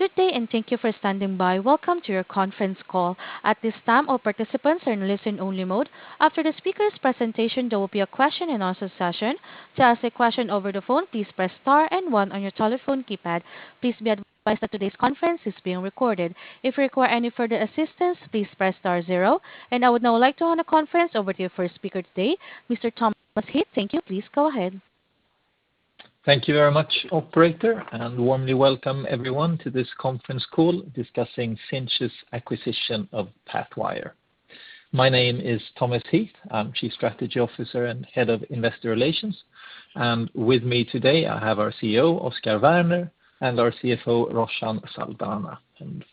Good day and thank you for standing by. Welcome to your conference call. At this time, all participants are in listen only mode. After the speaker's presentation, there will be a question and answer session. To ask a question over the phone, please press star and one on your telephone keypad. Please be advised that today's conference is being recorded. If you require any further assistance, please press star zero. And I would now like to hand the conference over to your first speaker today, Mr. Thomas Heath. Thank you. Please go ahead. Thank you very much, operator, warmly welcome everyone to this conference call discussing Sinch's acquisition of Pathwire. My name is Thomas Heath. I'm Chief Strategy Officer and Head of Investor Relations. With me today I have our CEO, Oscar Werner, and our CFO, Roshan Saldanha.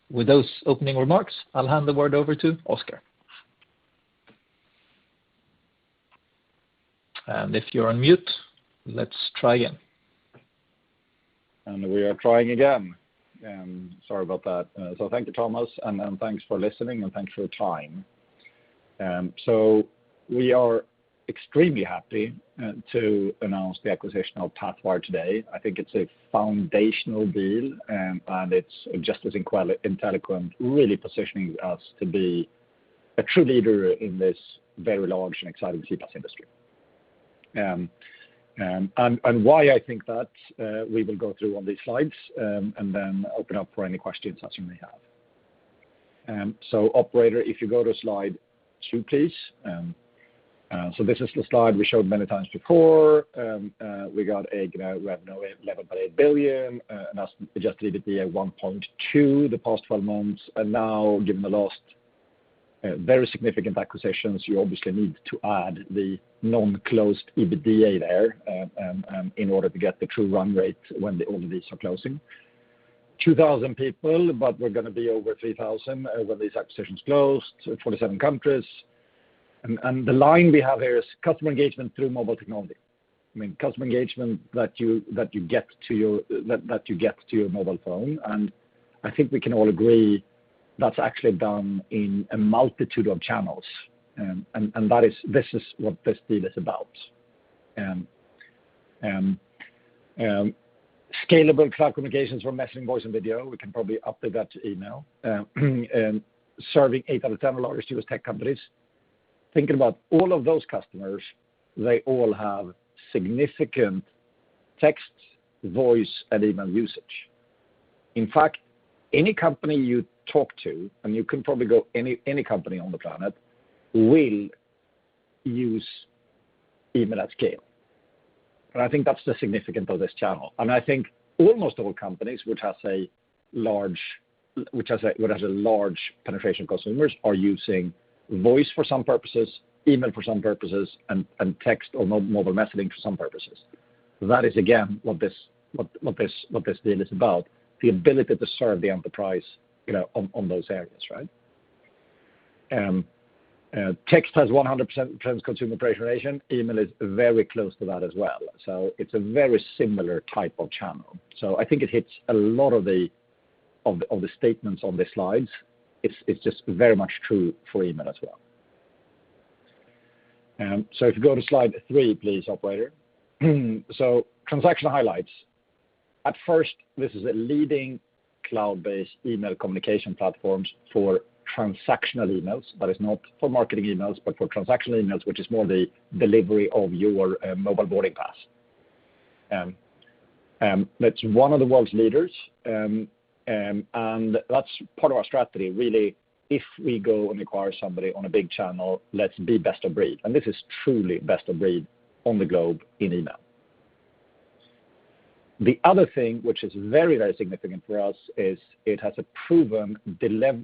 With those opening remarks, I'll hand the word over to Oscar. If you're on mute, let's try again. We are trying again. Sorry about that. Thank you, Thomas, and thanks for listening and thanks for your time. We are extremely happy to announce the acquisition of Pathwire today. I think it is a foundational deal, and it is just as in Inteliquent, really positioning us to be a true leader in this very large and exciting CPaaS industry. Why I think that, we will go through on these slides, and then open up for any questions that you may have. Operator, if you go to slide two, please. This is the slide we showed many times before. We got a revenue of $1.8 billion, adjusted EBITDA $1.2 billion the past 12 months. Now given the last very significant acquisitions, you obviously need to add the non-closed EBITDA there in order to get the true run rate when all of these are closing. 2,000 people, but we're going to be over 3,000 when these acquisitions close. 27 countries. The line we have here is customer engagement through mobile technology. Customer engagement that you get to your mobile phone. I think we can all agree that's actually done in a multitude of channels. This is what this deal is about. Scalable cloud communications for messaging, voice and video. We can probably update that to email. Serving eight out of 10 largest U.S. tech companies. Thinking about all of those customers, they all have significant text, voice, and email usage. In fact, any company you talk to, and you can probably go any company on the planet, will use email at scale. I think that's the significance of this channel. I think almost all companies which has a large penetration consumers are using voice for some purposes, email for some purposes, and text or mobile messaging for some purposes. That is again, what this deal is about, the ability to serve the enterprise on those areas, right? Text has 100% consumer penetration. Email is very close to that as well. It's a very similar type of channel. I think it hits a lot of the statements on the slides. It's just very much true for email as well. If you go to slide three please, operator. Transaction highlights. At first, this is a leading cloud-based email communication platforms for transactional emails. That is not for marketing emails, but for transactional emails, which is more the delivery of your mobile boarding pass. That's one of the world's leaders, and that's part of our strategy, really. If we go and acquire somebody on a big channel, let's be best of breed. This is truly best of breed on the globe in email. The other thing which is very significant for us is it has a proven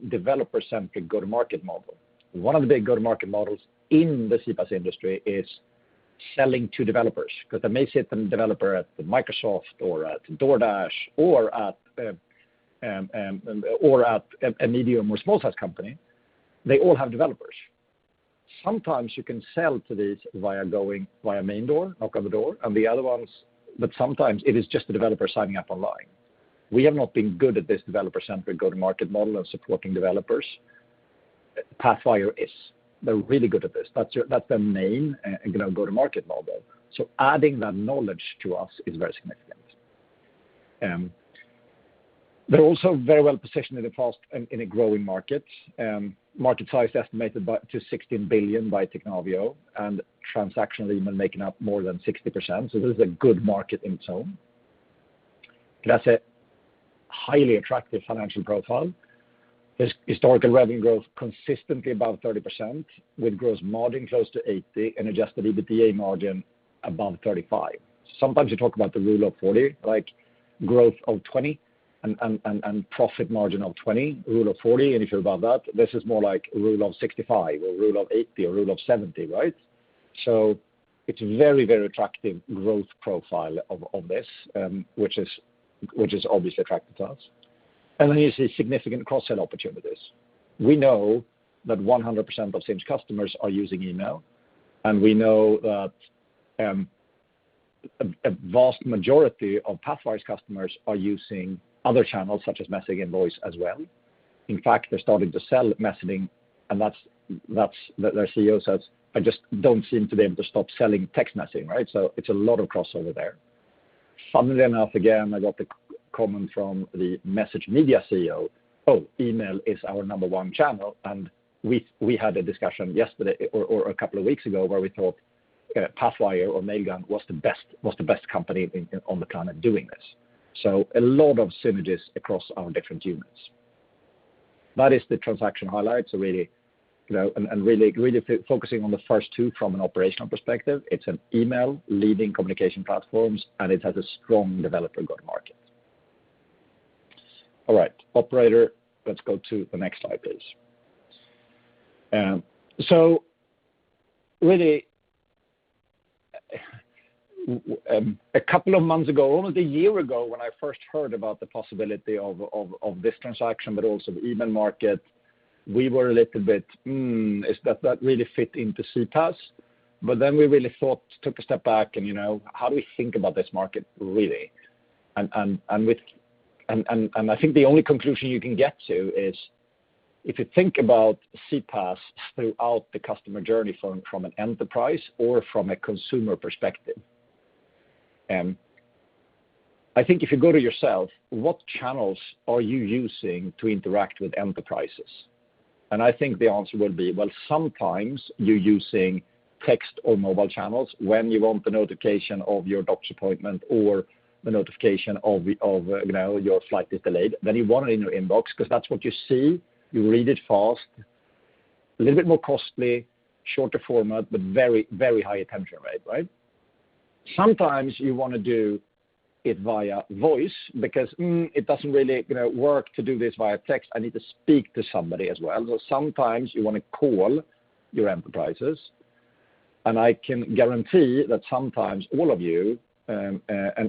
developer-centric go-to-market model. One of the big go-to-market models in the CPaaS industry is selling to developers, because they may sit the developer at Microsoft or at DoorDash or at a medium or small size company. They all have developers. Sometimes you can sell to these via main door, knock on the door, and the other ones, but sometimes it is just the developer signing up online. We have not been good at this developer-centric go-to-market model of supporting developers. Pathwire is. They're really good at this. That's their main go-to-market model. Adding that knowledge to us is very significant. They're also very well positioned in a growing market. Market size estimated to 16 billion by Technavio and transactional email making up more than 60%. This is a good market in its own. It has a highly attractive financial profile. There's historical revenue growth consistently above 30%, with gross margin close to 80% and adjusted EBITDA margin above 35%. Sometimes you talk about the rule of 40%, like growth of 20% and profit margin of 20%, rule of 40%, and if you're above that. This is more like rule of 65% or rule of 80% or rule of 70%, right. It's very attractive growth profile on this, which has obviously attracted to us. You see significant cross-sell opportunities. We know that 100% of Sinch customers are using email, and we know that a vast majority of Pathwire's customers are using other channels such as messaging and voice as well. In fact, they're starting to sell messaging, and their CEO says, "I just don't seem to be able to stop selling text messaging." It's a lot of crossover there. Funnily enough, again, I got the comment from the MessageMedia CEO, "Oh, email is our number one channel." We had a discussion yesterday, or a couple of weeks ago, where we thought Pathwire or Mailgun was the best company on the planet doing this. A lot of synergies across our different units. That is the transaction highlights and really focusing on the first two from an operational perspective. It's an email leading communication platforms, and it has a strong developer go-to-market. All right, operator, let's go to the next slide, please. Really, a couple of months ago, almost one year ago, when I first heard about the possibility of this transaction, but also the email market, we were a little bit, "Hmm, does that really fit into CPaaS?" We really thought, took a step back, and how do we think about this market, really? I think the only conclusion you can get to is if you think about CPaaS throughout the customer journey from an enterprise or from a consumer perspective, I think if you go to yourself, what channels are you using to interact with enterprises? I think the answer will be, well, sometimes you're using text or mobile channels when you want the notification of your doctor's appointment or the notification of your flight is delayed, then you want it in your inbox because that's what you see, you read it fast. A little bit more costly, shorter format, but very high attention rate. Sometimes you want to do it via voice because it doesn't really work to do this via text. I need to speak to somebody as well. Sometimes you want to call your enterprises, and I can guarantee that sometimes all of you, and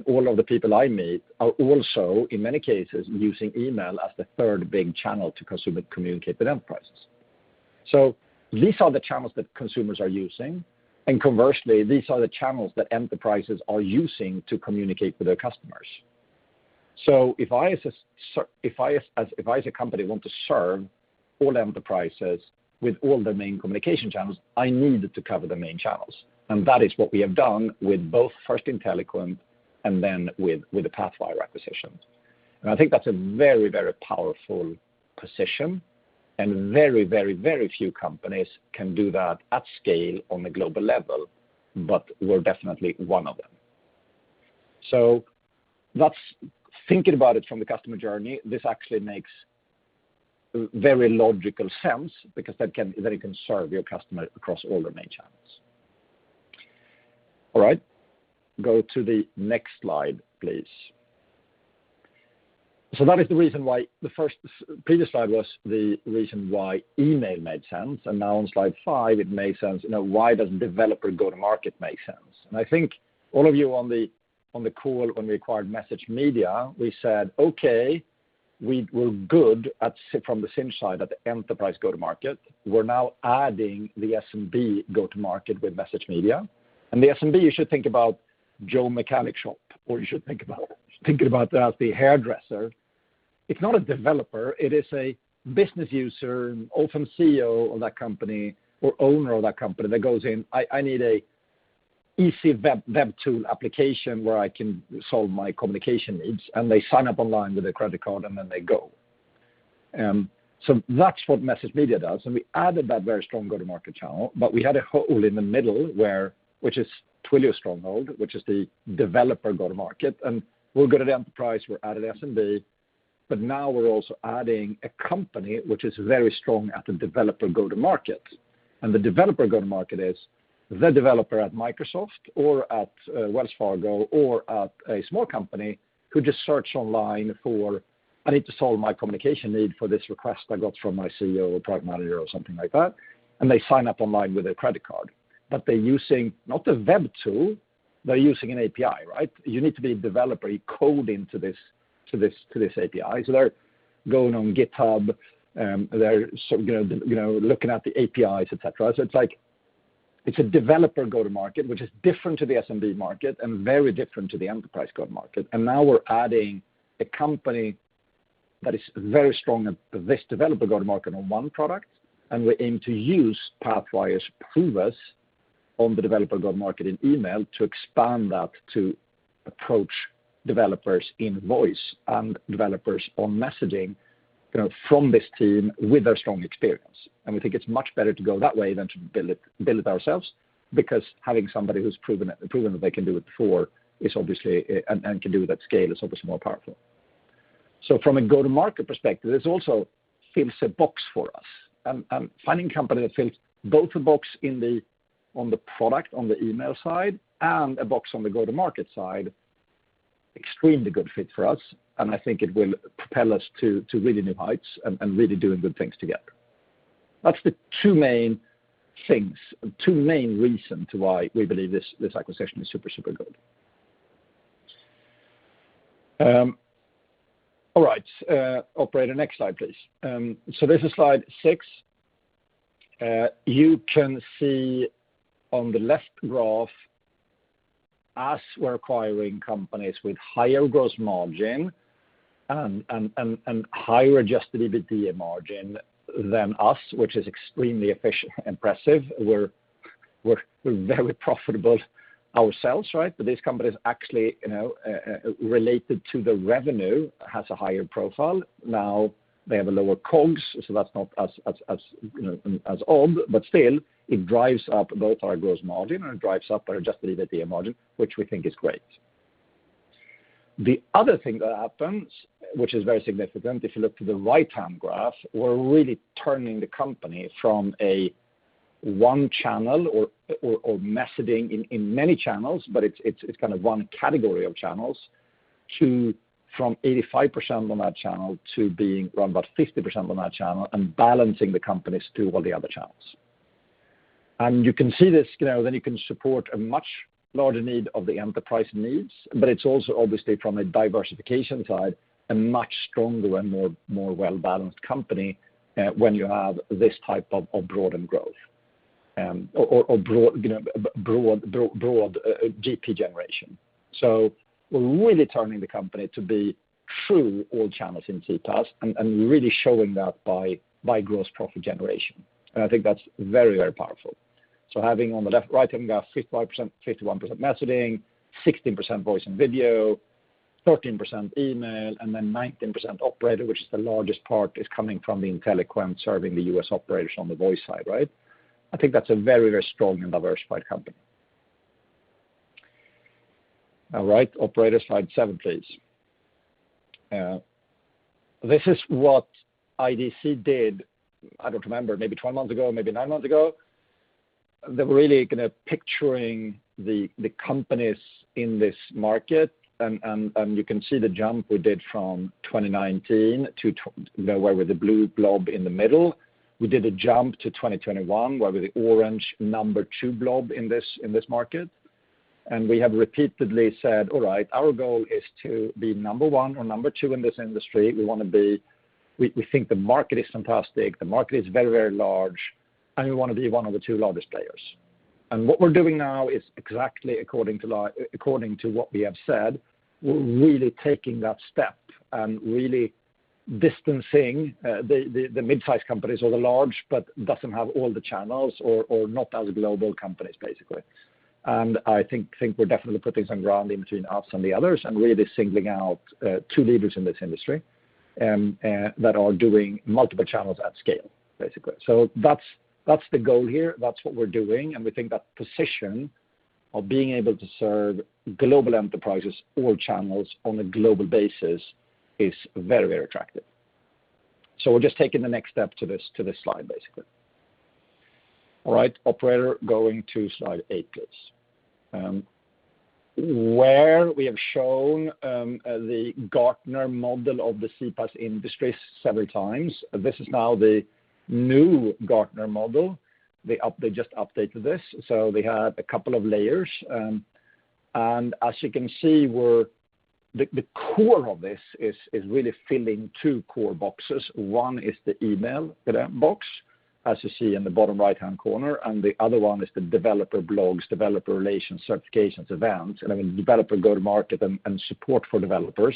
all of the people I meet, are also, in many cases, using email as the third big channel to consumer communicate with enterprises. These are the channels that consumers are using, and conversely, these are the channels that enterprises are using to communicate with their customers. If I, as a company, want to serve all enterprises with all their main communication channels, I need to cover the main channels. That is what we have done with both first Inteliquent and then with the Pathwire acquisition. I think that's a very powerful position, and very few companies can do that at scale on a global level, but we're definitely one of them. That's thinking about it from the customer journey. This actually makes very logical sense because then you can serve your customer across all the main channels. All right, go to the next slide, please. That is the reason why the previous slide was the reason why email made sense. Now on slide five, it made sense, why does developer go-to-market make sense? I think all of you on the call when we acquired MessageMedia, we said, "Okay, we're good from the Sinch side at the enterprise go-to-market. We're now adding the SMB go-to-market with MessageMedia." The SMB, you should think about Joe Mechanic's shop, or you should think about the hairdresser. It's not a developer. It is a business user, often CEO of that company or owner of that company, that goes in, "I need a easy web tool application where I can solve my communication needs." They sign up online with a credit card, and then they go. That's what MessageMedia does. We added that very strong go-to-market channel, but we had a hole in the middle, which is Twilio stronghold, which is the developer go-to-market, and we are good at enterprise, we are added SMB, but now we are also adding a company which is very strong at the developer go-to-market. The developer go-to-market is the developer at Microsoft or at Wells Fargo or at a small company who just search online for, "I need to solve my communication need for this request I got from my CEO or product manager," or something like that, and they sign up online with a credit card. They are using not a web tool, they are using an API. You need to be a developer. You code into this API. They are going on GitHub, they are looking at the APIs, et cetera. It's a developer go-to-market, which is different to the SMB market and very different to the enterprise go-to-market. Now we're adding a company that is very strong at this developer go-to-market on one product, and we aim to use Pathwire's proofs on the developer go-to-market in email to expand that to approach developers in voice and developers on messaging, from this team with their strong experience. We think it's much better to go that way than to build it ourselves, because having somebody who's proven that they can do it before and can do it at scale is obviously more powerful. From a go-to-market perspective, this also fills a box for us. Finding a company that fills both a box on the product, on the email side, and a box on the go-to-market side, extremely good fit for us, and I think it will propel us to really new heights and really doing good things together. That's the two main things, two main reason to why we believe this acquisition is super good. All right, operator, next slide please. This is slide six. You can see on the left graph as we're acquiring companies with higher gross margin and higher adjusted EBITDA margin than us, which is extremely impressive. We're very profitable ourselves, right? These companies actually, related to the revenue, have a higher profile. They have a lower COGS, so that's not as odd, but still, it drives up both our gross margin and it drives up our adjusted EBITDA margin, which we think is great. The other thing that happens, which is very significant, if you look to the right-hand graph, we're really turning the company from a one channel or messaging in many channels, but it's one category of channels, to from 85% on that channel to being around about 50% on that channel and balancing the company to all the other channels. You can see this, you can support a much larger need of the enterprise needs, but it's also obviously from a diversification side, a much stronger and more well-balanced company when you have this type of broadened growth, or broad GP generation. We're really turning the company to be through all channels in CPaaS and really showing that by gross profit generation. I think that's very, very powerful. Having on the right-hand graph, 55%, 51% messaging, 16% voice and video, 13% email, and then 19% operator, which is the largest part is coming from the Inteliquent serving the U.S. operators on the voice side, right? I think that's a very, very strong and diversified company. All right, operator, slide seven, please. This is what IDC did, I don't remember, maybe 12 months ago, maybe nine months ago. They were really picturing the companies in this market, and you can see the jump we did from 2019, we're the blue blob in the middle. We did a jump to 2021. We're the orange number two blob in this market. We have repeatedly said, "All right, our goal is to be number one or number two in this industry. We think the market is fantastic, the market is very large, and we want to be one of the two largest players. What we're doing now is exactly according to what we have said. We're really taking that step and really distancing the midsize companies or the large, but doesn't have all the channels or not as global companies, basically. I think we're definitely putting some ground in between us and the others and really singling out two leaders in this industry that are doing multiple channels at scale, basically. That's the goal here. That's what we're doing, and we think that position of being able to serve global enterprises, all channels on a global basis is very attractive. We're just taking the next step to this slide, basically. All right, operator, going to slide eight, please. Where we have shown the Gartner model of the CPaaS industry several times, this is now the new Gartner model. They just updated this. They had a couple of layers. As you can see, the core of this is really filling two core boxes. One is the email box, as you see in the bottom right-hand corner, and the other one is the developer blogs, developer relations, certifications, events, and I mean, developer go-to-market and support for developers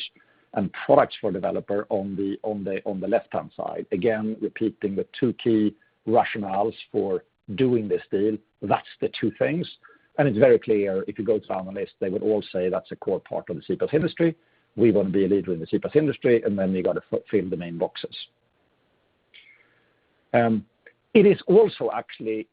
and products for developer on the left-hand side. Again, repeating the two key rationales for doing this deal. That's the two things. It's very clear if you go down the list, they would all say that's a core part of the CPaaS industry. We want to be a leader in the CPaaS industry, and then we got to fill the main boxes. It is also actually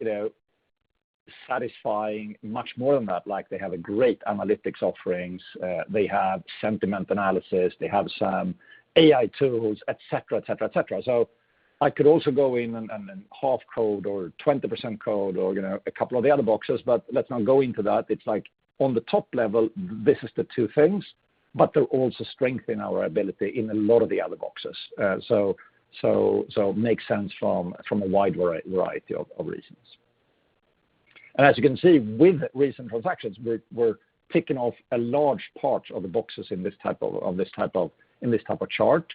satisfying much more than that, like they have a great analytics offerings, they have sentiment analysis, they have some AI tools, et cetera. I could also go in and half code or 20% code or a couple of the other boxes, but let's not go into that. It's like on the top level, this is the two things, but they'll also strengthen our ability in a lot of the other boxes. Makes sense from a wide variety of reasons. As you can see with recent transactions, we're ticking off a large part of the boxes in this type of chart,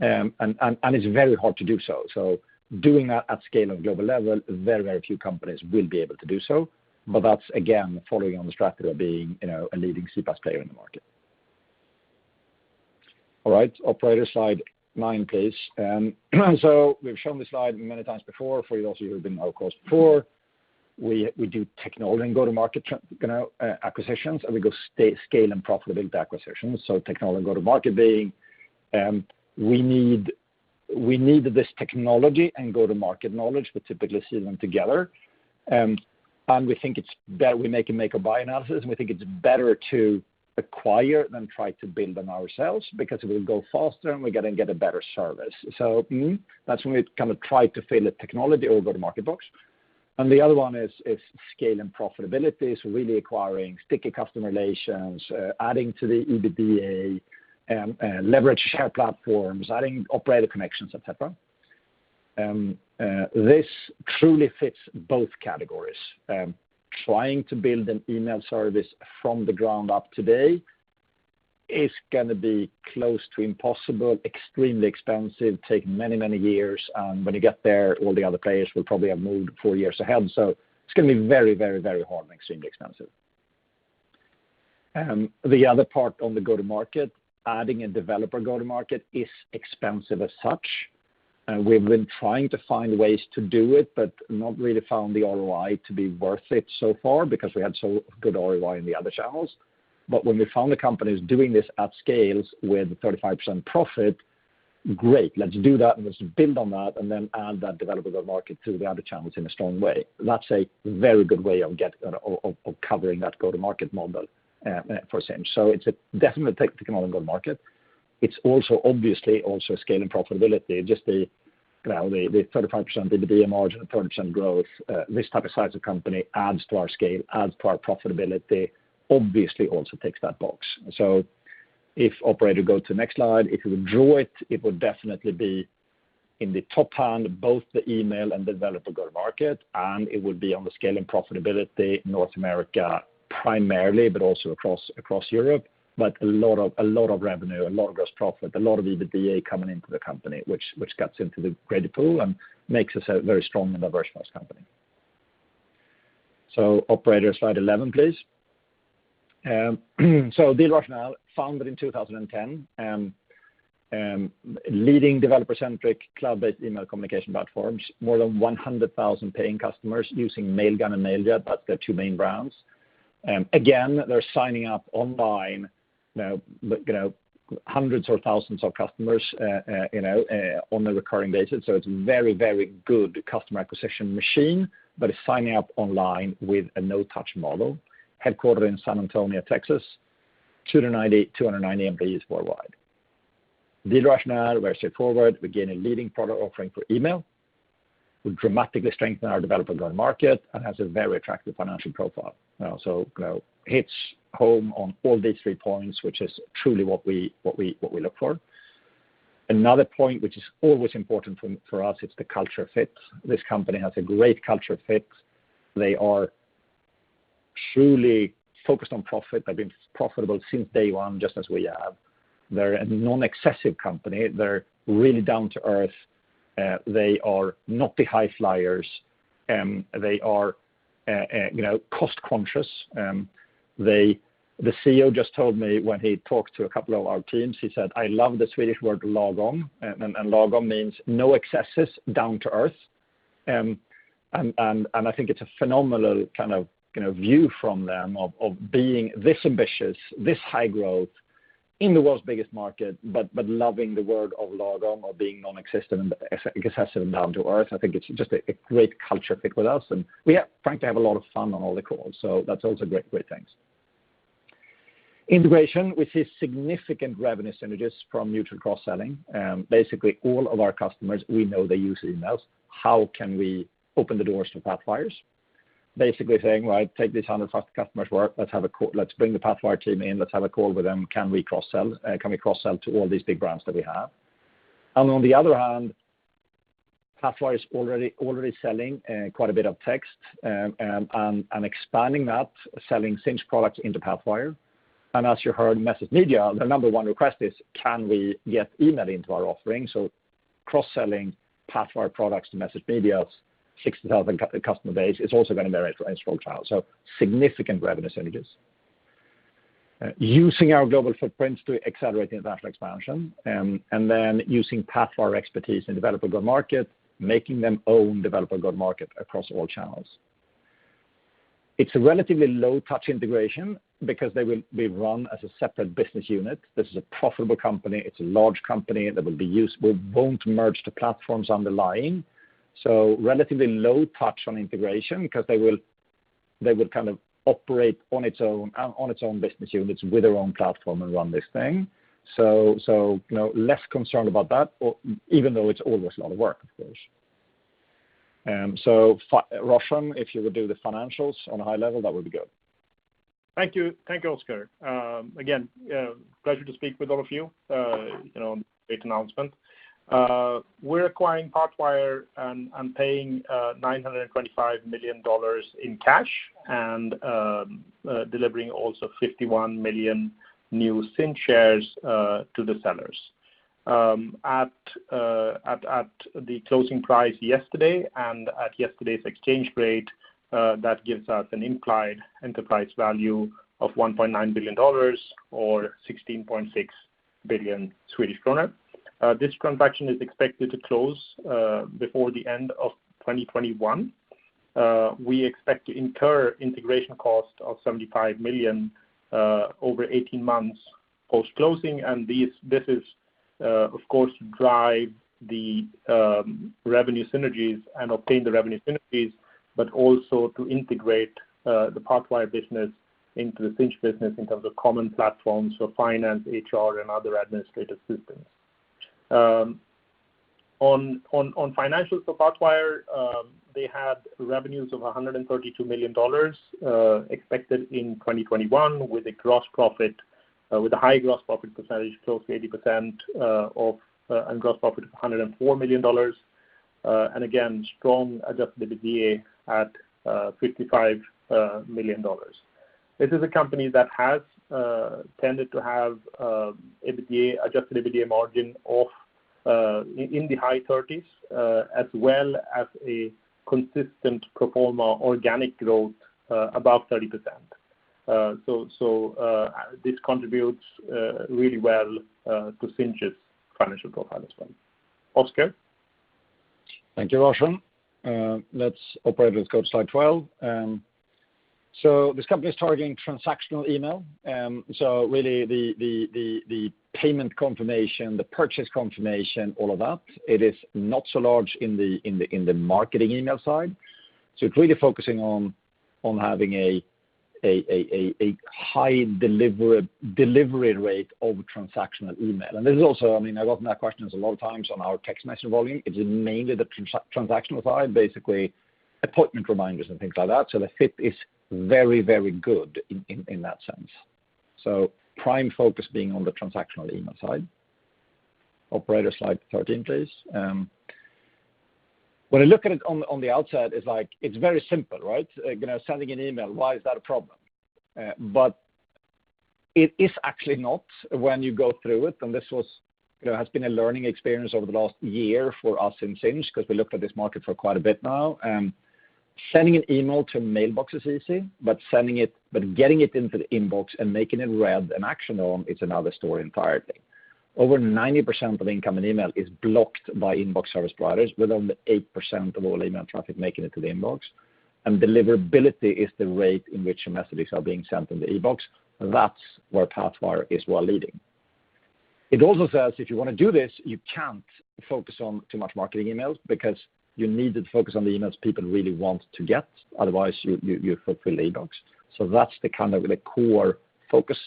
and it's very hard to do so. Doing that at scale on a global level, very, very few companies will be able to do so, but that's, again, following on the strategy of being a leading CPaaS player in the market. All right, operator, slide nine, please. We've shown this slide many times before for those of you who have been on our calls before. We do technology and go-to-market acquisitions, and we go scale and profitability acquisitions. Technology and go-to-market being, we need this technology and go-to-market knowledge. We typically see them together. We make a make or buy analysis, and we think it's better to acquire than try to build them ourselves because it will go faster, and we're going to get a better service. That's when we kind of try to fill a technology or go-to-market box. The other one is scale and profitability, so really acquiring sticky customer relations, adding to the EBITDA, leverage shared platforms, adding operator connections, et cetera. This truly fits both categories. Trying to build an email service from the ground up today. It's going to be close to impossible, extremely expensive, take many, many years. When you get there, all the other players will probably have moved four years ahead. It's going to be very hard and extremely expensive. The other part on the go-to-market, adding a developer go-to-market is expensive as such. We've been trying to find ways to do it, but not really found the ROI to be worth it so far because we had so good ROI in the other channels. When we found the companies doing this at scales with 35% profit, great, let's do that, let's build on that, add that developer go-to-market to the other channels in a strong way. That's a very good way of covering that go-to-market model for Sinch. It's a definite take to go-to-market. It's also obviously also scale and profitability, just the 35% EBITDA margin, 30% growth, this type of size of company adds to our scale, adds to our profitability, obviously also ticks that box. If operator go to next slide, if you draw it would definitely be in the top half, both the email and developer go-to-market, and it would be on the scale and profitability in North America primarily, but also across Europe. A lot of revenue, a lot of gross profit, a lot of EBITDA coming into the company, which gets into the credit pool and makes us a very strong and diversified company. Operator, slide 11, please. The rationale, founded in 2010, leading developer-centric, cloud-based email communication platforms. More than 100,000 paying customers using Mailgun and Mailjet. That's their two main brands. They're signing up online hundreds or thousands of customers on a recurring basis. It's very good customer acquisition machine, but it's signing up online with a no-touch model. Headquartered in San Antonio, Texas, 290 employees worldwide. The rationale is very straightforward. We gain a leading product offering for email. We dramatically strengthen our developer go-to-market and has a very attractive financial profile. It hits home on all these three points, which is truly what we look for. Another point which is always important for us, it's the culture fit. This company has a great culture fit. They are truly focused on profit. They've been profitable since day one, just as we have. They're a non-excessive company. They're really down to earth. They are not the high flyers. They are cost-conscious. The CEO just told me when he talked to a couple of our teams, he said, "I love the Swedish word lagom." Lagom means no excesses, down to earth. I think it's a phenomenal kind of view from them of being this ambitious, this high growth in the world's biggest market, but loving the word of lagom or being non-excessive and down to earth. I think it's just a great culture fit with us, and we frankly have a lot of fun on all the calls, so that's also great things. Integration with these significant revenue synergies from mutual cross-selling. Basically all of our customers, we know they use emails. How can we open the doors to Pathwire's? Basically saying, "Well, take this 100+ customers work. Let's bring the Pathwire team in. Let's have a call with them. Can we cross-sell to all these big brands that we have?" On the other hand, Pathwire is already selling quite a bit of text, and expanding that, selling Sinch products into Pathwire. As you heard MessageMedia, their number one request is, can we get email into our offering? Cross-selling Pathwire products to MessageMedia's 60,000 customer base is also going to be a very strong channel. Significant revenue synergies. Using our global footprint to accelerate international expansion. Then using Pathwire expertise in developer go-to-market, making them own developer go-to-market across all channels. It's a relatively low touch integration because they will be run as a separate business unit. This is a profitable company. It's a large company that will be useful. Won't merge the platforms underlying, relatively low touch on integration because they will kind of operate on its own business units with their own platform and run this thing. Less concerned about that, even though it's always a lot of work, of course. Roshan, if you would do the financials on a high level, that would be good. Thank you. Thank you, Oscar. Again, pleasure to speak with all of you on this great announcement. We're acquiring Pathwire and paying $925 million in cash and delivering also 51 million new Sinch shares to the sellers. At the closing price yesterday and at yesterday's exchange rate, that gives us an implied enterprise value of $1.9 billion or 16.6 billion Swedish kronor. This transaction is expected to close before the end of 2021. We expect to incur integration cost of 75 million over 18 months post-closing. This is, of course, to drive the revenue synergies and obtain the revenue synergies, but also to integrate the Pathwire business into the Sinch business in terms of common platforms, so finance, HR, and other administrative systems. On financials for Pathwire, they have revenues of $132 million expected in 2021, with a high gross profit percent, close to 80%, and gross profit of $104 million. Again, strong adjusted EBITDA at $55 million. This is a company that has tended to have adjusted EBITDA margin in the high 30s, as well as a consistent pro forma organic growth above 30%. This contributes really well to Sinch's financial profile as well. Oscar? Thank you, Roshan. Let's operator with code slide 12. This company is targeting transactional email, so really the payment confirmation, the purchase confirmation, all of that. It is not so large in the marketing email side. It's really focusing on having a high delivery rate of transactional email. This is also, I mean, I've gotten that question a lot of times on our text message volume. It is mainly the transactional side, basically appointment reminders and things like that. The fit is very good in that sense. Prime focus being on the transactional email side. Operator, on slide 13, please. When I look at it on the outside, it's very simple, right? Sending an email, why is that a problem? It is actually not when you go through it, and this has been a learning experience over the last year for us in Sinch, because we looked at this market for quite a bit now. Sending an email to mailbox is easy, but getting it into the inbox and making it read and actionable, it's another story entirely. Over 90% of incoming email is blocked by inbox service providers, with only 8% of all email traffic making it to the inbox. Deliverability is the rate in which messages are being sent in the inbox. That's where Pathwire is well leading. It also says, if you want to do this, you can't focus on too much marketing emails because you need to focus on the emails people really want to get, otherwise, you fill the inbox. That's the kind of the core focus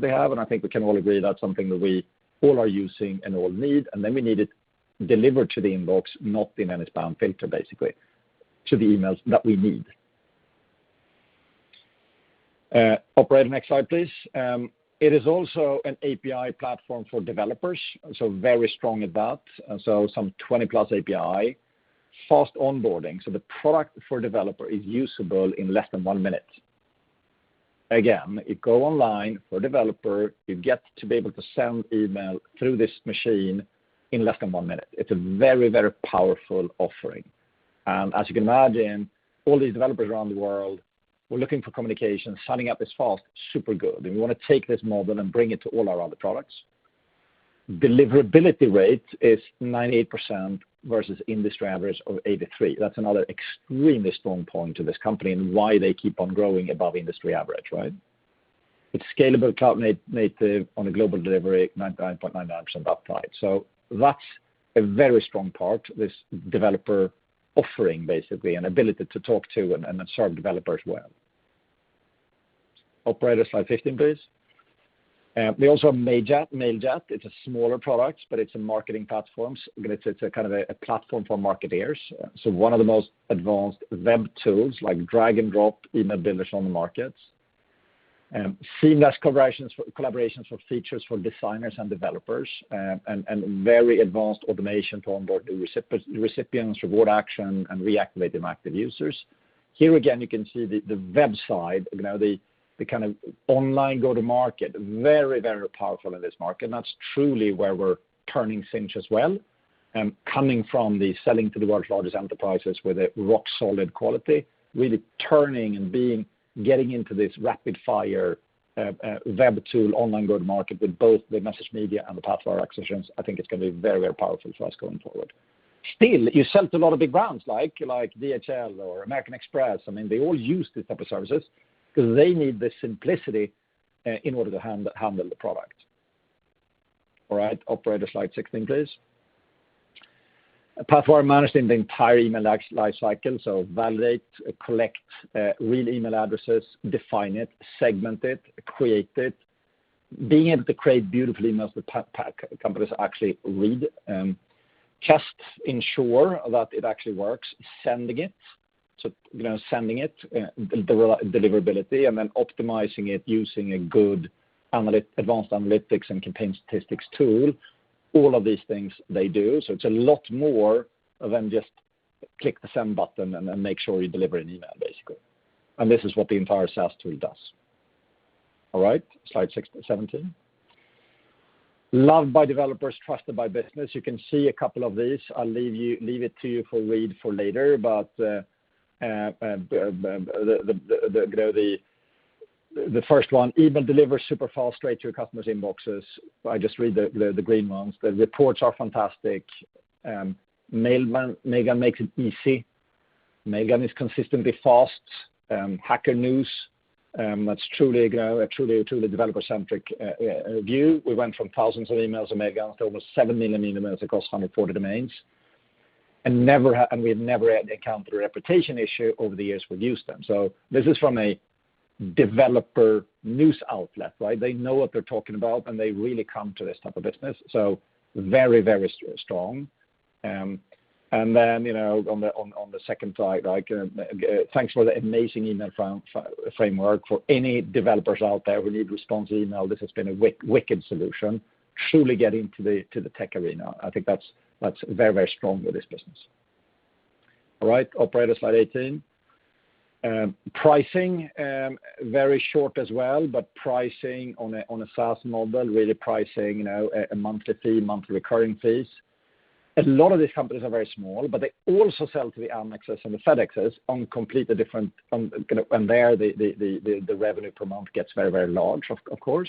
they have, and I think we can all agree that's something that we all are using and all need. We need it delivered to the inbox, not in any spam filter, basically, to the emails that we need. Operator, next slide, please. It is also an API platform for developers, so very strong at that. Some 20+ API. Fast onboarding, so the product for developer is usable in less than one minute. Again, you go online, for developer, you get to be able to send email through this machine in less than one minute. It's a very powerful offering. As you can imagine, all these developers around the world were looking for communication, signing up this fast, super good, and we want to take this model and bring it to all our other products. Deliverability rate is 98% versus industry average of 83%. That's another extremely strong point to this company and why they keep on growing above industry average. It's scalable, cloud-native, on a global delivery, 99.99% uptime. That's a very strong part, this developer offering, basically, and ability to talk to and serve developers well. Operator, on slide 15, please. They also have Mailjet. Mailjet, it's a smaller product, but it's a marketing platform. It's a kind of a platform for marketers. One of the most advanced web tools, like drag and drop email builders on the market. Seamless collaborations for features for designers and developers, and very advanced automation to onboard new recipients, reward action, and reactivate inactive users. Here again, you can see the web side, the kind of online go-to-market, very powerful in this market, and that's truly where we're turning Sinch as well. Coming from the selling to the world's largest enterprises with a rock-solid quality, really turning and getting into this rapid fire, web tool, online go-to-market with both the MessageMedia and the Pathwire accessions, I think it's going to be very powerful for us going forward. Still, you sell to a lot of big brands like DHL or American Express. I mean, they all use these type of services because they need the simplicity in order to handle the product. All right, operator on slide 16, please. Pathwire managing the entire email life cycle, so validate, collect real email addresses, define it, segment it, create it. Being able to create beautiful emails that companies actually read. Just ensure that it actually works, sending it, so sending it, the deliverability, and then optimizing it using a good advanced analytics and campaign statistics tool. All of these things they do. It's a lot more than just click the send button and make sure you deliver an email, basically. This is what the entire SaaS tool does. All right, slide 17. Loved by developers, trusted by business. You can see a couple of these. I'll leave it to you for read for later. The first one, "Email delivers super fast straight to your customers' inboxes." I just read the green ones. "The reports are fantastic." "Mailgun makes it easy." "Mailgun is consistently fast." Hacker News, that's truly a developer-centric view. "We went from thousands of emails on Mailgun to over 7 million emails across 140 domains, and we've never had to account for a reputation issue over the years we've used them." This is from a developer news outlet. They know what they're talking about, and they really come to this type of business, so very strong. On the second slide, "Thanks for the amazing email framework. For any developers out there who need response email, this has been a wicked solution." Truly getting to the tech arena. I think that's very strong with this business. All right, operator, slide 18. Pricing, very short as well, but pricing on a SaaS model, really pricing a monthly fee, monthly recurring fees. A lot of these companies are very small, but they also sell to the Amexes and the FedExes on completely different. There, the revenue per month gets very large, of course.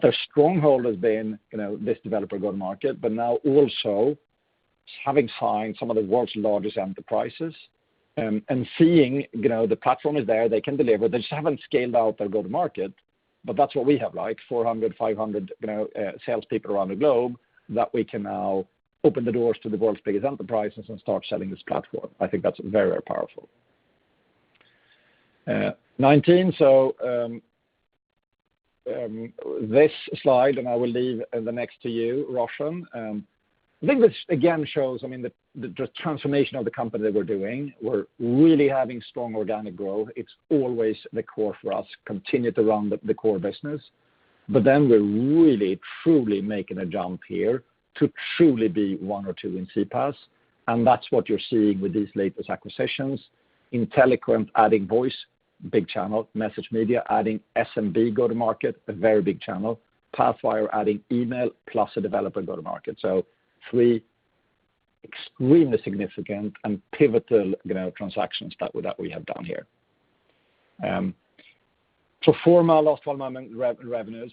Their stronghold has been this developer go-to-market, but now also having signed some of the world's largest enterprises and seeing the platform is there, they can deliver. They just haven't scaled out their go-to-market. That's what we have, 400, 500 salespeople around the globe that we can now open the doors to the world's biggest enterprises and start selling this platform. I think that's very powerful. 19, this slide, I will leave the next to you, Roshan. I think this again shows the transformation of the company that we're doing. We're really having strong organic growth. It's always the core for us, continued around the core business. We're really truly making a jump here to truly be one or two in CPaaS, that's what you're seeing with these latest acquisitions. Inteliquent adding voice, big channel. MessageMedia adding SMB go-to-market, a very big channel. Pathwire adding email plus a developer go-to-market. Three extremely significant and pivotal transactions that we have done here. Pro forma, last 12-month revenues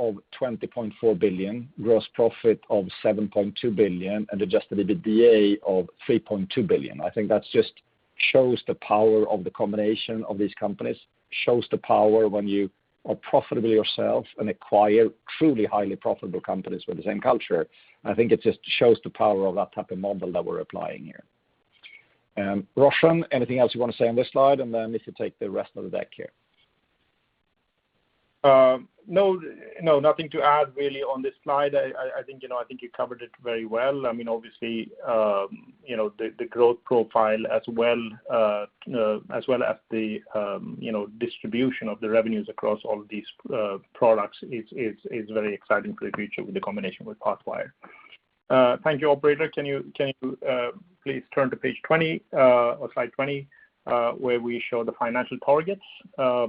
of 20.4 billion, gross profit of 7.2 billion, and adjusted EBITDA of 3.2 billion. I think that just shows the power of the combination of these companies, shows the power when you are profitable yourself and acquire truly highly profitable companies with the same culture. I think it just shows the power of that type of model that we're applying here. Roshan, anything else you want to say on this slide? Then if you take the rest of the deck here. Nothing to add really on this slide. I think you covered it very well. The growth profile as well as the distribution of the revenues across all these products is very exciting for the future with the combination with Pathwire. Thank you. Operator, can you please turn to page 20, or slide 20, where we show the financial targets. Our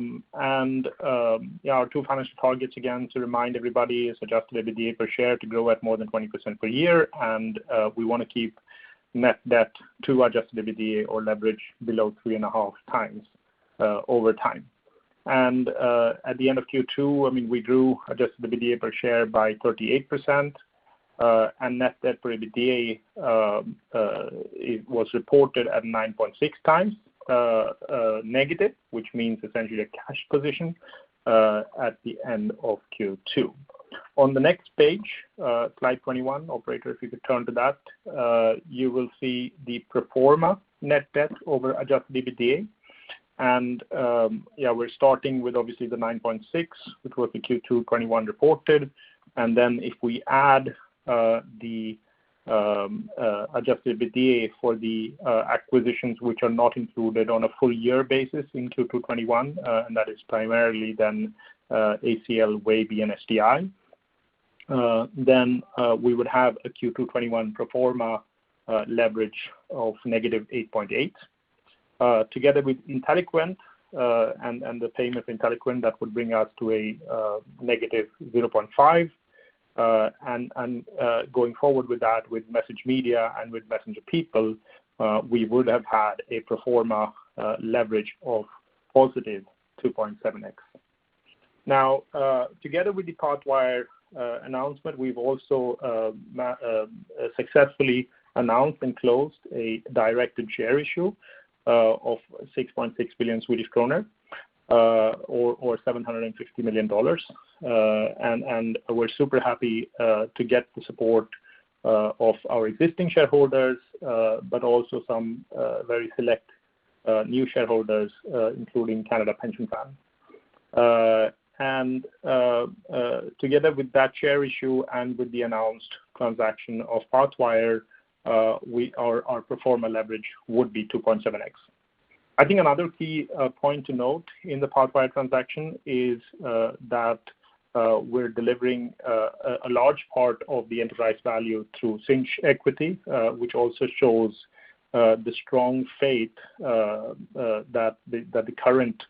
two financial targets, again, to remind everybody, is adjusted EBITDA per share to grow at more than 20% per year, and we want to keep net debt to adjusted EBITDA on leverage below three and a half times over time. At the end of Q2, we grew adjusted EBITDA per share by 38%, and net debt for EBITDA, it was reported at 9.6x negative, which means essentially the cash position at the end of Q2. On the next page, slide 21, operator, if you could turn to that, you will see the pro forma net debt over adjusted EBITDA. We're starting with obviously the 9.6, which was the Q2 2021 reported. If we add the adjusted EBITDA for the acquisitions which are not included on a full year basis in Q2 2021, and that is primarily then ACL, Wavy, and SDI, then we would have a Q2 2021 pro forma leverage of -8.8. Together with Inteliquent and the payment of Inteliquent, that would bring us to -0.5. Going forward with that, with MessageMedia and with MessengerPeople, we would have had a pro forma leverage of +2.7x. Together with the Pathwire announcement, we've also successfully announced and closed a directed share issue of 6.6 billion Swedish kronor, or $750 million. We're super happy to get the support of our existing shareholders, but also some very select new shareholders including Canada Pension Plan. Together with that share issue and with the announced transaction of Pathwire, our pro forma leverage would be 2.7x. I think another key point to note in the Pathwire transaction is that we're delivering a large part of the enterprise value through Sinch equity, which also shows the strong faith that the current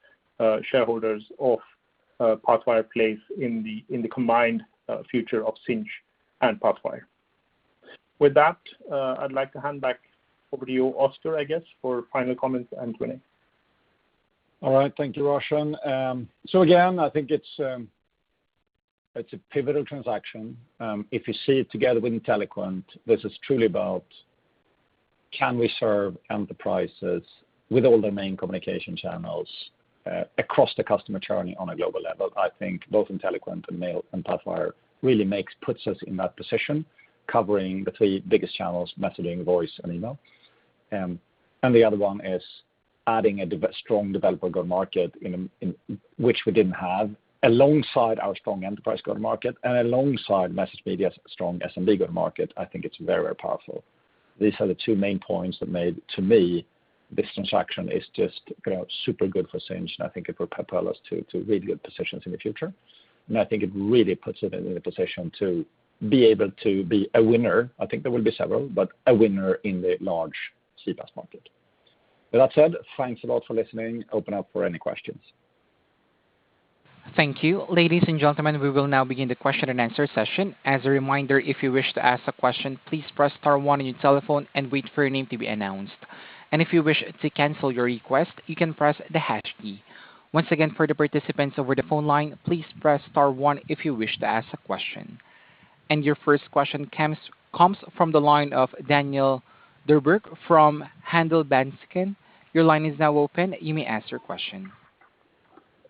shareholders of Pathwire place in the combined future of Sinch and Pathwire. With that, I'd like to hand back over to you, Oscar, I guess, for final comments and winning. All right. Thank you, Roshan. Again, I think it's a pivotal transaction. If you see it together with Inteliquent, this is truly about can we serve enterprises with all their main communication channels across the customer journey on a global level? I think both Inteliquent and Mail and Pathwire really puts us in that position, covering the three biggest channels, messaging, voice, and email. The other one is adding a strong developer go-to-market which we didn't have, alongside our strong enterprise go-to-market and alongside MessageMedia's strong SMB go-to-market. I think it's very powerful. These are the two main points that made, to me. This transaction is just super good for Sinch, and I think it will propel us to really good positions in the future. I think it really puts it in a position to be able to be a winner. I think there will be several, but a winner in the large CPaaS market. With that said, thanks a lot for listening. Open up for any questions. Thank you. Ladies and gentlemen, we will now begin the question and answer session. As a reminder, if you wish to ask a question, please press star one on your telephone and wait for your name to be announced. If you wish to cancel your request, you can press the hash key. Once again, for the participants over the phone line, please press star one if you wish to ask a question. Your first question comes from the line of Daniel Djurberg from Handelsbanken. Your line is now open. You may ask your question.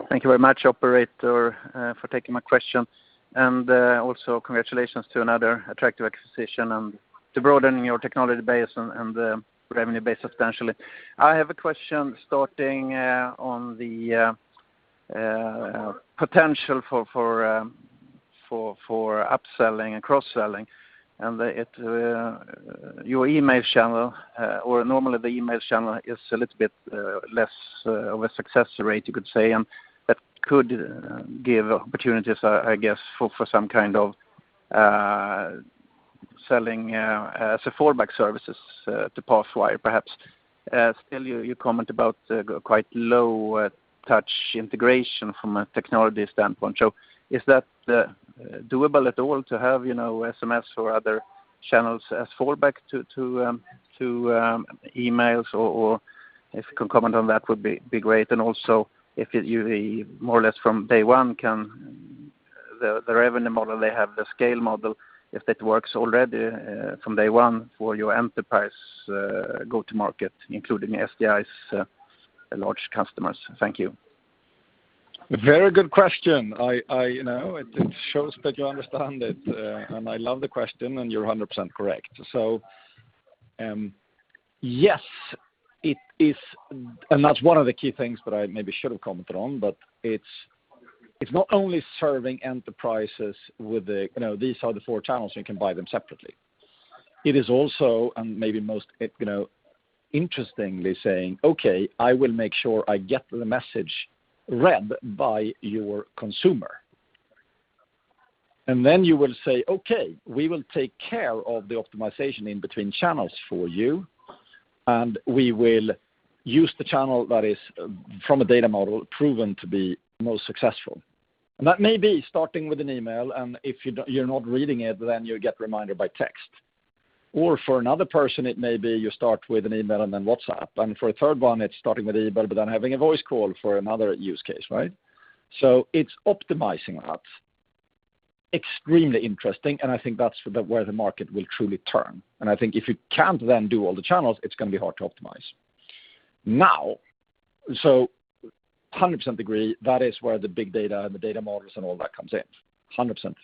Thank you very much, operator, for taking my question. Also congratulations to another attractive acquisition and to broadening your technology base and the revenue base substantially. I have a question starting on the potential for upselling and cross-selling and your email channel, or normally the email channel is a little bit less of a success rate, you could say, and that could give opportunities, I guess, for some kind of selling as a fallback services to Pathwire, perhaps. Still, you comment about quite low touch integration from a technology standpoint. Is that doable at all to have SMS or other channels as fallback to emails? If you could comment on that would be great. Also, if you more or less from day one can, the revenue model, they have the scale model, if that works already from day one for your enterprise go to market, including SDI's large customers. Thank you. Very good question. It shows that you understand it, and I love the question, and you're 100% correct. Yes it is, and that's one of the key things that I maybe should have commented on, but it's not only serving enterprises with the, these are the four channels, you can buy them separately. It is also, and maybe most interestingly saying, "Okay, I will make sure I get the message read by your consumer." You will say, "Okay, we will take care of the optimization in between channels for you, and we will use the channel that is from a data model proven to be most successful." That may be starting with an email, and if you're not reading it, then you get reminded by text. For another person, it may be you start with an email and then WhatsApp, and for a third one, it's starting with email, but then having a voice call for another use case. It's optimizing that. Extremely interesting, and I think that's where the market will truly turn. I think if you can't then do all the channels, it's going to be hard to optimize. 100% agree, that is where the big data and the data models and all that comes in. 100%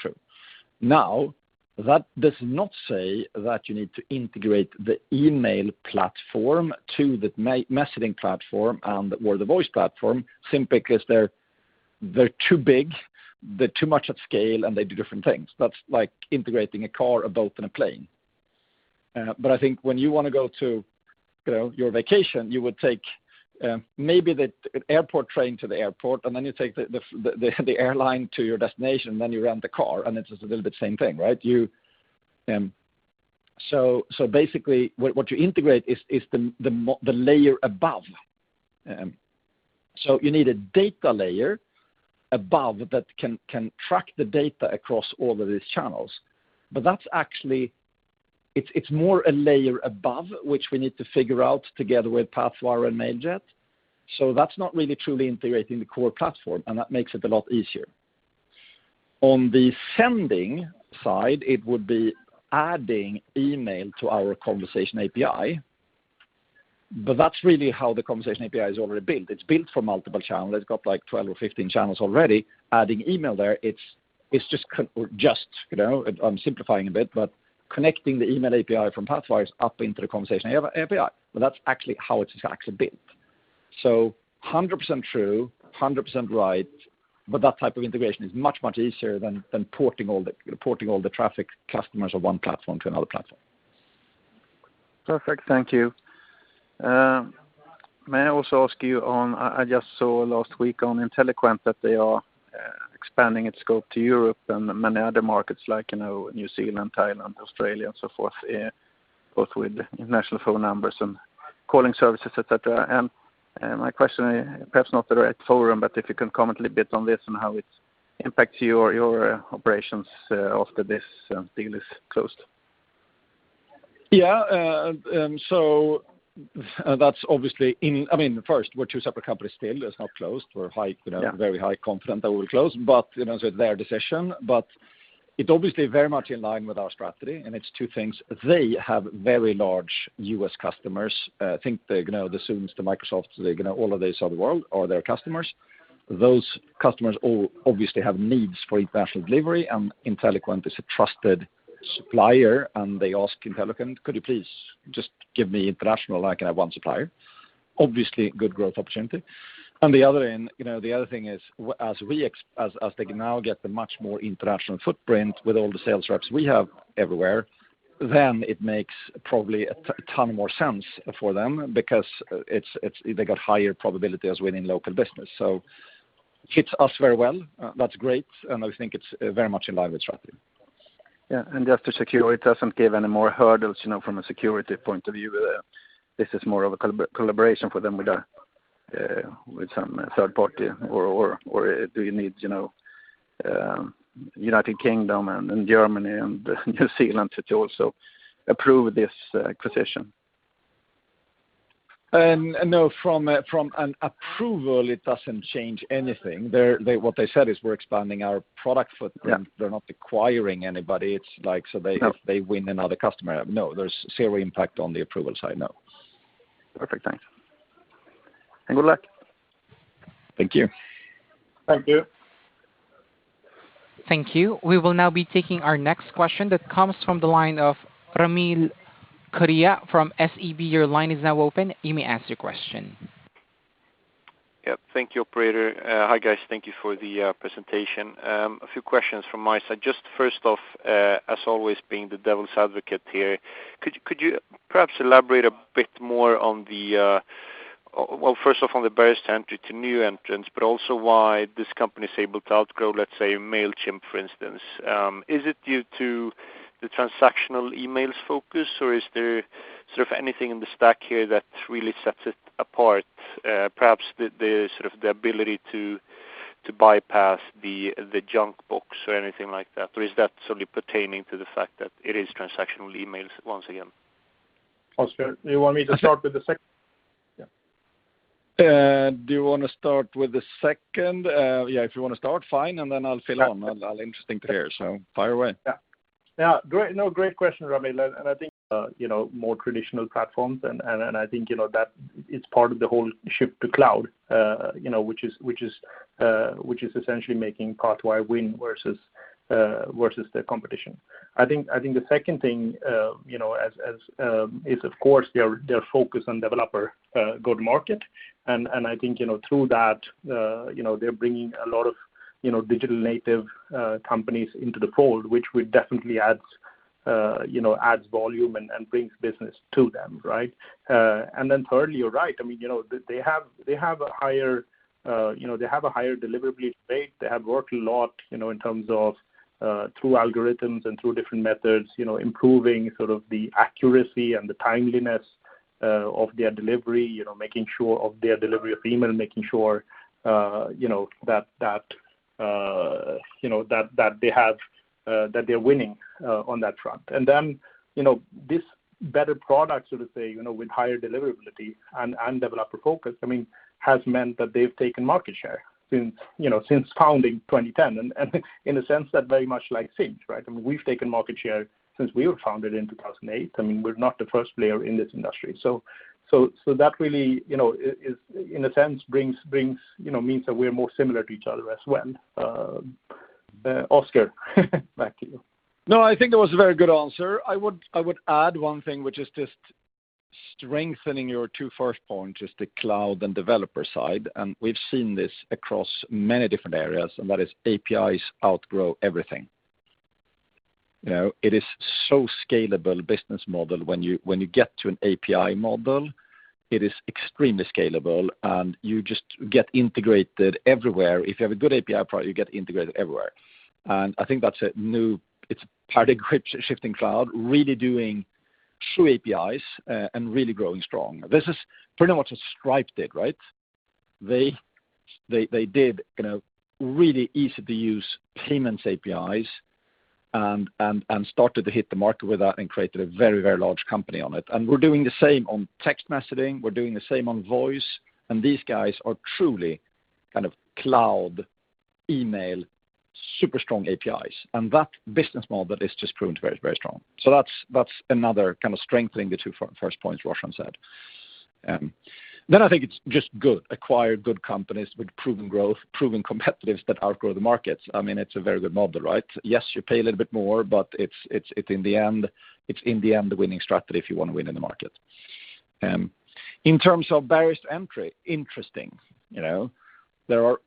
true. That does not say that you need to integrate the email platform to the messaging platform and/or the voice platform, simply because they're too big, they're too much at scale, and they do different things. That's like integrating a car, a boat, and a plane. I think when you want to go to your vacation, you would take maybe the airport train to the airport, and then you take the airline to your destination, then you rent a car, and it's just a little bit same thing, right? Basically, what you integrate is the layer above. You need a data layer above that can track the data across all of these channels. That's actually, it's more a layer above, which we need to figure out together with Pathwire and Mailjet. That's not really truly integrating the core platform, and that makes it a lot easier. On the sending side, it would be adding email to our Conversation API, but that's really how the Conversation API is already built. It's built for multiple channels. It's got 12 or 15 channels already. Adding email there, it's just, I'm simplifying a bit, connecting the email API from Pathwire up into the Conversation API. That's actually how it's actually built. 100% true, 100% right, that type of integration is much, much easier than porting all the traffic customers of one platform to another platform. Perfect. Thank you. May I also ask you on, I just saw last week on Inteliquent that they are expanding its scope to Europe and many other markets like New Zealand, Thailand, Australia, and so forth, both with international phone numbers and calling services, et cetera. My question is perhaps not the right forum, but if you can comment a little bit on this and how it impacts your operations after this deal is closed. That's obviously in I mean, first, we're two separate companies still. It's not closed. We're very high confident that we'll close, but it's their decision, but it obviously very much in line with our strategy, and it's two things. They have very large U.S. customers. Think the Zooms, the Microsofts, all of these of the world are their customers. Those customers all obviously have needs for international delivery, and Inteliquent is a trusted supplier, and they ask Inteliquent, "Could you please just give me international? I can have one supplier." Good growth opportunity. On the other end, the other thing is as they now get the much more international footprint with all the sales reps we have everywhere, then it makes probably a ton more sense for them because they got higher probability as winning local business. Hits us very well. That's great, and I think it's very much in line with strategy. Yeah. Just to secure it doesn't give any more hurdles, from a security point of view. This is more of a collaboration for them with some third party, or do you need U.K. and Germany and New Zealand to also approve this acquisition? No. From an approval, it doesn't change anything. What they said is we're expanding our product footprint. Yeah. They're not acquiring anybody. So if they win another customer. No, there's zero impact on the approval side, no. Perfect. Thanks. Good luck. Thank you. Thank you. Thank you. We will now be taking our next question that comes from the line of Ramil Koria from SEB. Your line is now open. You may ask your question. Yep. Thank you, operator. Hi, guys. Thank you for the presentation. A few questions from my side. Just first off, as always being the devil's advocate here, could you perhaps elaborate a bit more on the, well, first off, on the barriers to entry to new entrants, but also why this company's able to outgrow, let's say, Mailchimp, for instance? Is it due to the transactional emails focus, or is there sort of anything in the stack here that really sets it apart? Perhaps the ability to bypass the junk box or anything like that. Is that solely pertaining to the fact that it is transactional emails once again? Oscar, do you want me to start with the second? Yeah. Do you want to start with the second? Yeah, if you want to start, fine, and then I'll fill in. Yeah. I'll listen to hear, so fire away. Yeah. No, great question, Ramil. I think more traditional platforms, and I think that it's part of the whole shift to cloud, which is essentially making Pathwire win versus the competition. I think the second thing is, of course, their focus on developer go-to-market, and I think through that they're bringing a lot of digital native companies into the fold, which would definitely adds volume and brings business to them, right? Then thirdly, you're right. They have a higher deliverability rate. They have worked a lot in terms of through algorithms and through different methods improving sort of the accuracy and the timeliness of their delivery, making sure of their delivery of email, making sure that they're winning on that front. This better product, sort of say, with higher deliverability and developer focus, has meant that they've taken market share since founding 2010, and in a sense that very much like Sinch, right? We've taken market share since we were founded in 2008. We're not the first player in this industry. That really, in a sense, means that we are more similar to each other as well. Oscar, back to you. No, I think that was a very good answer. I would add one thing, which is just strengthening your two first points, just the cloud and developer side. We've seen this across many different areas. That is APIs outgrow everything. It is so scalable business model. When you get to an API model, it is extremely scalable, and you just get integrated everywhere. If you have a good API product, you get integrated everywhere. I think that's a new, it's paradigm shifting cloud, really doing true APIs, and really growing strong. This is pretty much what Stripe did, right? They did really easy-to-use payments APIs and started to hit the market with that and created a very large company on it. We're doing the same on text messaging. We're doing the same on voice, and these guys are truly kind of cloud email, super strong APIs. That business model is just proved very strong. That's another kind of strengthening the two first points Roshan said. I think it's just good. Acquired good companies with proven growth, proven competitiveness that outgrow the markets. It's a very good model, right? Yes, you pay a little bit more, but it's in the end the winning strategy if you want to win in the market. In terms of barriers to entry, interesting. There are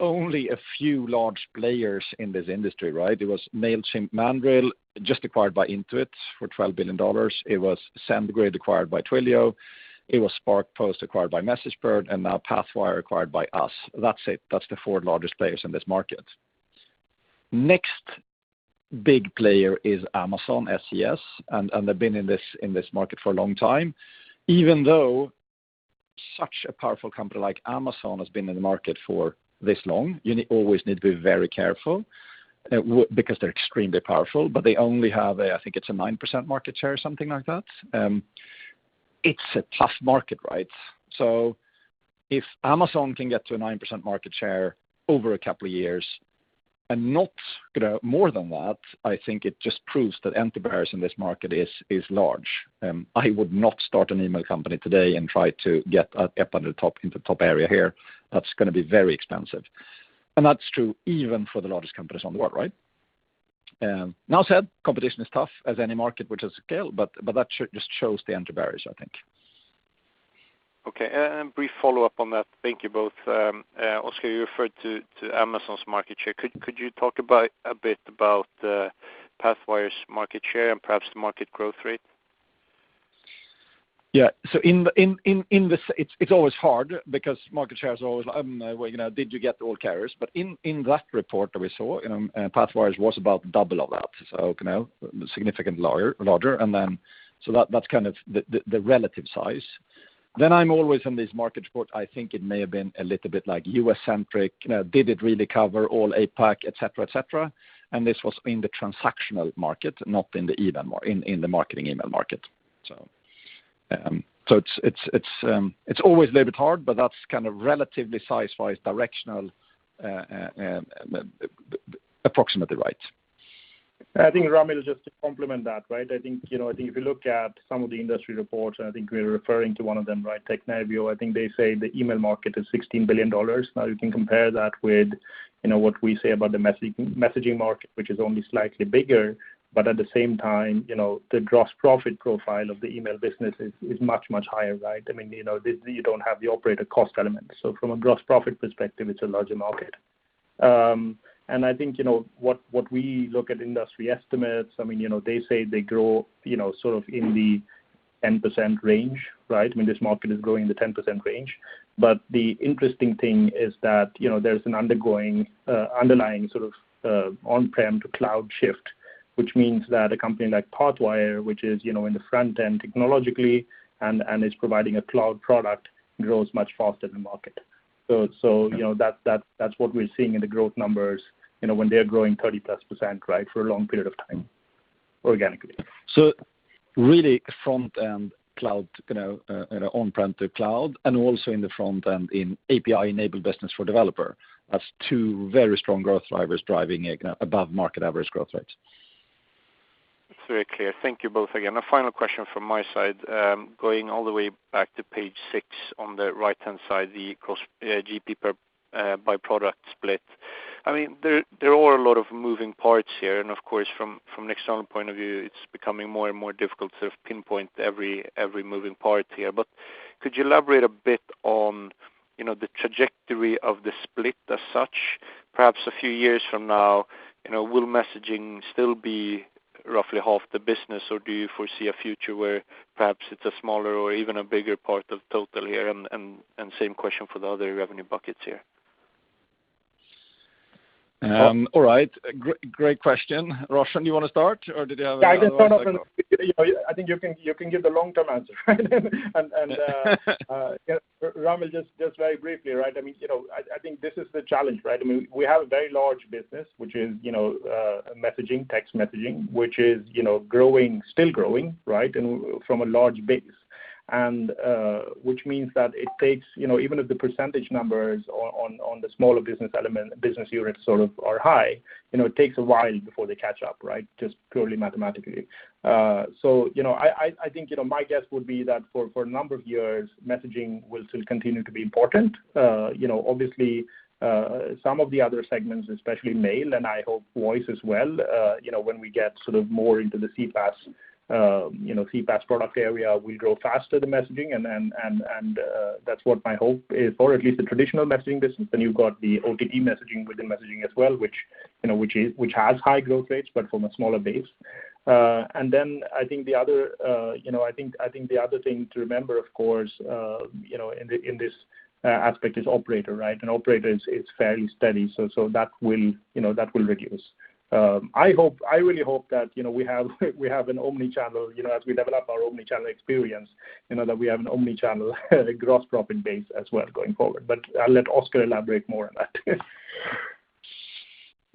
only a few large players in this industry, right? There was Mailchimp, Mandrill, just acquired by Intuit for $12 billion. It was SendGrid acquired by Twilio. It was SparkPost acquired by MessageBird, and now Pathwire acquired by us. That's it. That's the four largest players in this market. Next big player is Amazon SES, and they've been in this market for a long time. Even though such a powerful company like Amazon has been in the market for this long, you always need to be very careful because they're extremely powerful, but they only have, I think it's a 9% market share or something like that. It's a tough market, right? If Amazon can get to a 9% market share over a couple of years and not more than that, I think it just proves that entry barriers in this market is large. I would not start an email company today and try to get into top area here. That's going to be very expensive. That's true even for the largest companies in the world, right? Now said, competition is tough as any market which has scale, but that just shows the entry barriers, I think. Okay. Brief follow-up on that. Thank you both. Oscar, you referred to Amazon's market share. Could you talk a bit about Pathwire's market share and perhaps the market growth rate? Yeah. It's always hard because market share is always, did you get all carriers? In that report that we saw, Pathwire was about double of that, so significantly larger. That's the relative size. I'm always on this market report, I think it may have been a little bit U.S.-centric, did it really cover all APAC, et cetera? This was in the transactional market, not in the marketing email market. It's always a little bit hard, but that's relatively size-wise directional, approximately right. I think, Ramil, just to complement that. I think if you look at some of the industry reports, and I think we're referring to one of them, Technavio, I think they say the email market is SEK 16 billion. You can compare that with what we say about the messaging market, which is only slightly bigger. At the same time, the gross profit profile of the email business is much, much higher, right? You don't have the operator cost element. From a gross profit perspective, it's a larger market. I think what we look at industry estimates, they say they grow sort of in the 10% range, right? This market is growing in the 10% range. The interesting thing is that there's an underlying sort of on-prem to cloud shift, which means that a company like Pathwire, which is in the front end technologically and is providing a cloud product, grows much faster than the market. That's what we're seeing in the growth numbers, when they're growing 30%+ for a long period of time organically. Really front end cloud, on-prem to cloud, and also in the front end in API-enabled business for developer. That's two very strong growth drivers driving above market average growth rates. It's very clear. Thank you both again. A final question from my side. Going all the way back to page six, on the right-hand side, the Gross GP per product split. There are a lot of moving parts here, and of course, from an external point of view, it's becoming more and more difficult to pinpoint every moving part here. Could you elaborate a bit on the trajectory of the split as such, perhaps a few years from now, will messaging still be roughly half the business or do you foresee a future where perhaps it's a smaller or even a bigger part of total here? Same question for the other revenue buckets here. All right. Great question. Roshan, you want to start, or? Yeah, I can start off, and I think you can give the long-term answer. Ramil, just very briefly. I think this is the challenge. We have a very large business, which is text messaging, which is still growing. From a large base, which means that it takes, even if the percentage numbers on the smaller business element, business units sort of are high, it takes a while before they catch up. Just purely mathematically. I think, my guess would be that for a number of years, messaging will still continue to be important. Obviously, some of the other segments, especially mail, and I hope voice as well, when we get sort of more into the CPaaS product area, will grow faster than messaging. That's what my hope is. Or at least the traditional messaging business. You've got the OTT messaging within messaging as well, which has high growth rates, but from a smaller base. I think the other thing to remember, of course, in this aspect is operator. Operator is fairly steady, so that will reduce. I really hope that we have an omnichannel as we develop our omnichannel experience, that we have an omnichannel gross profit base as well going forward. I'll let Oscar elaborate more on that.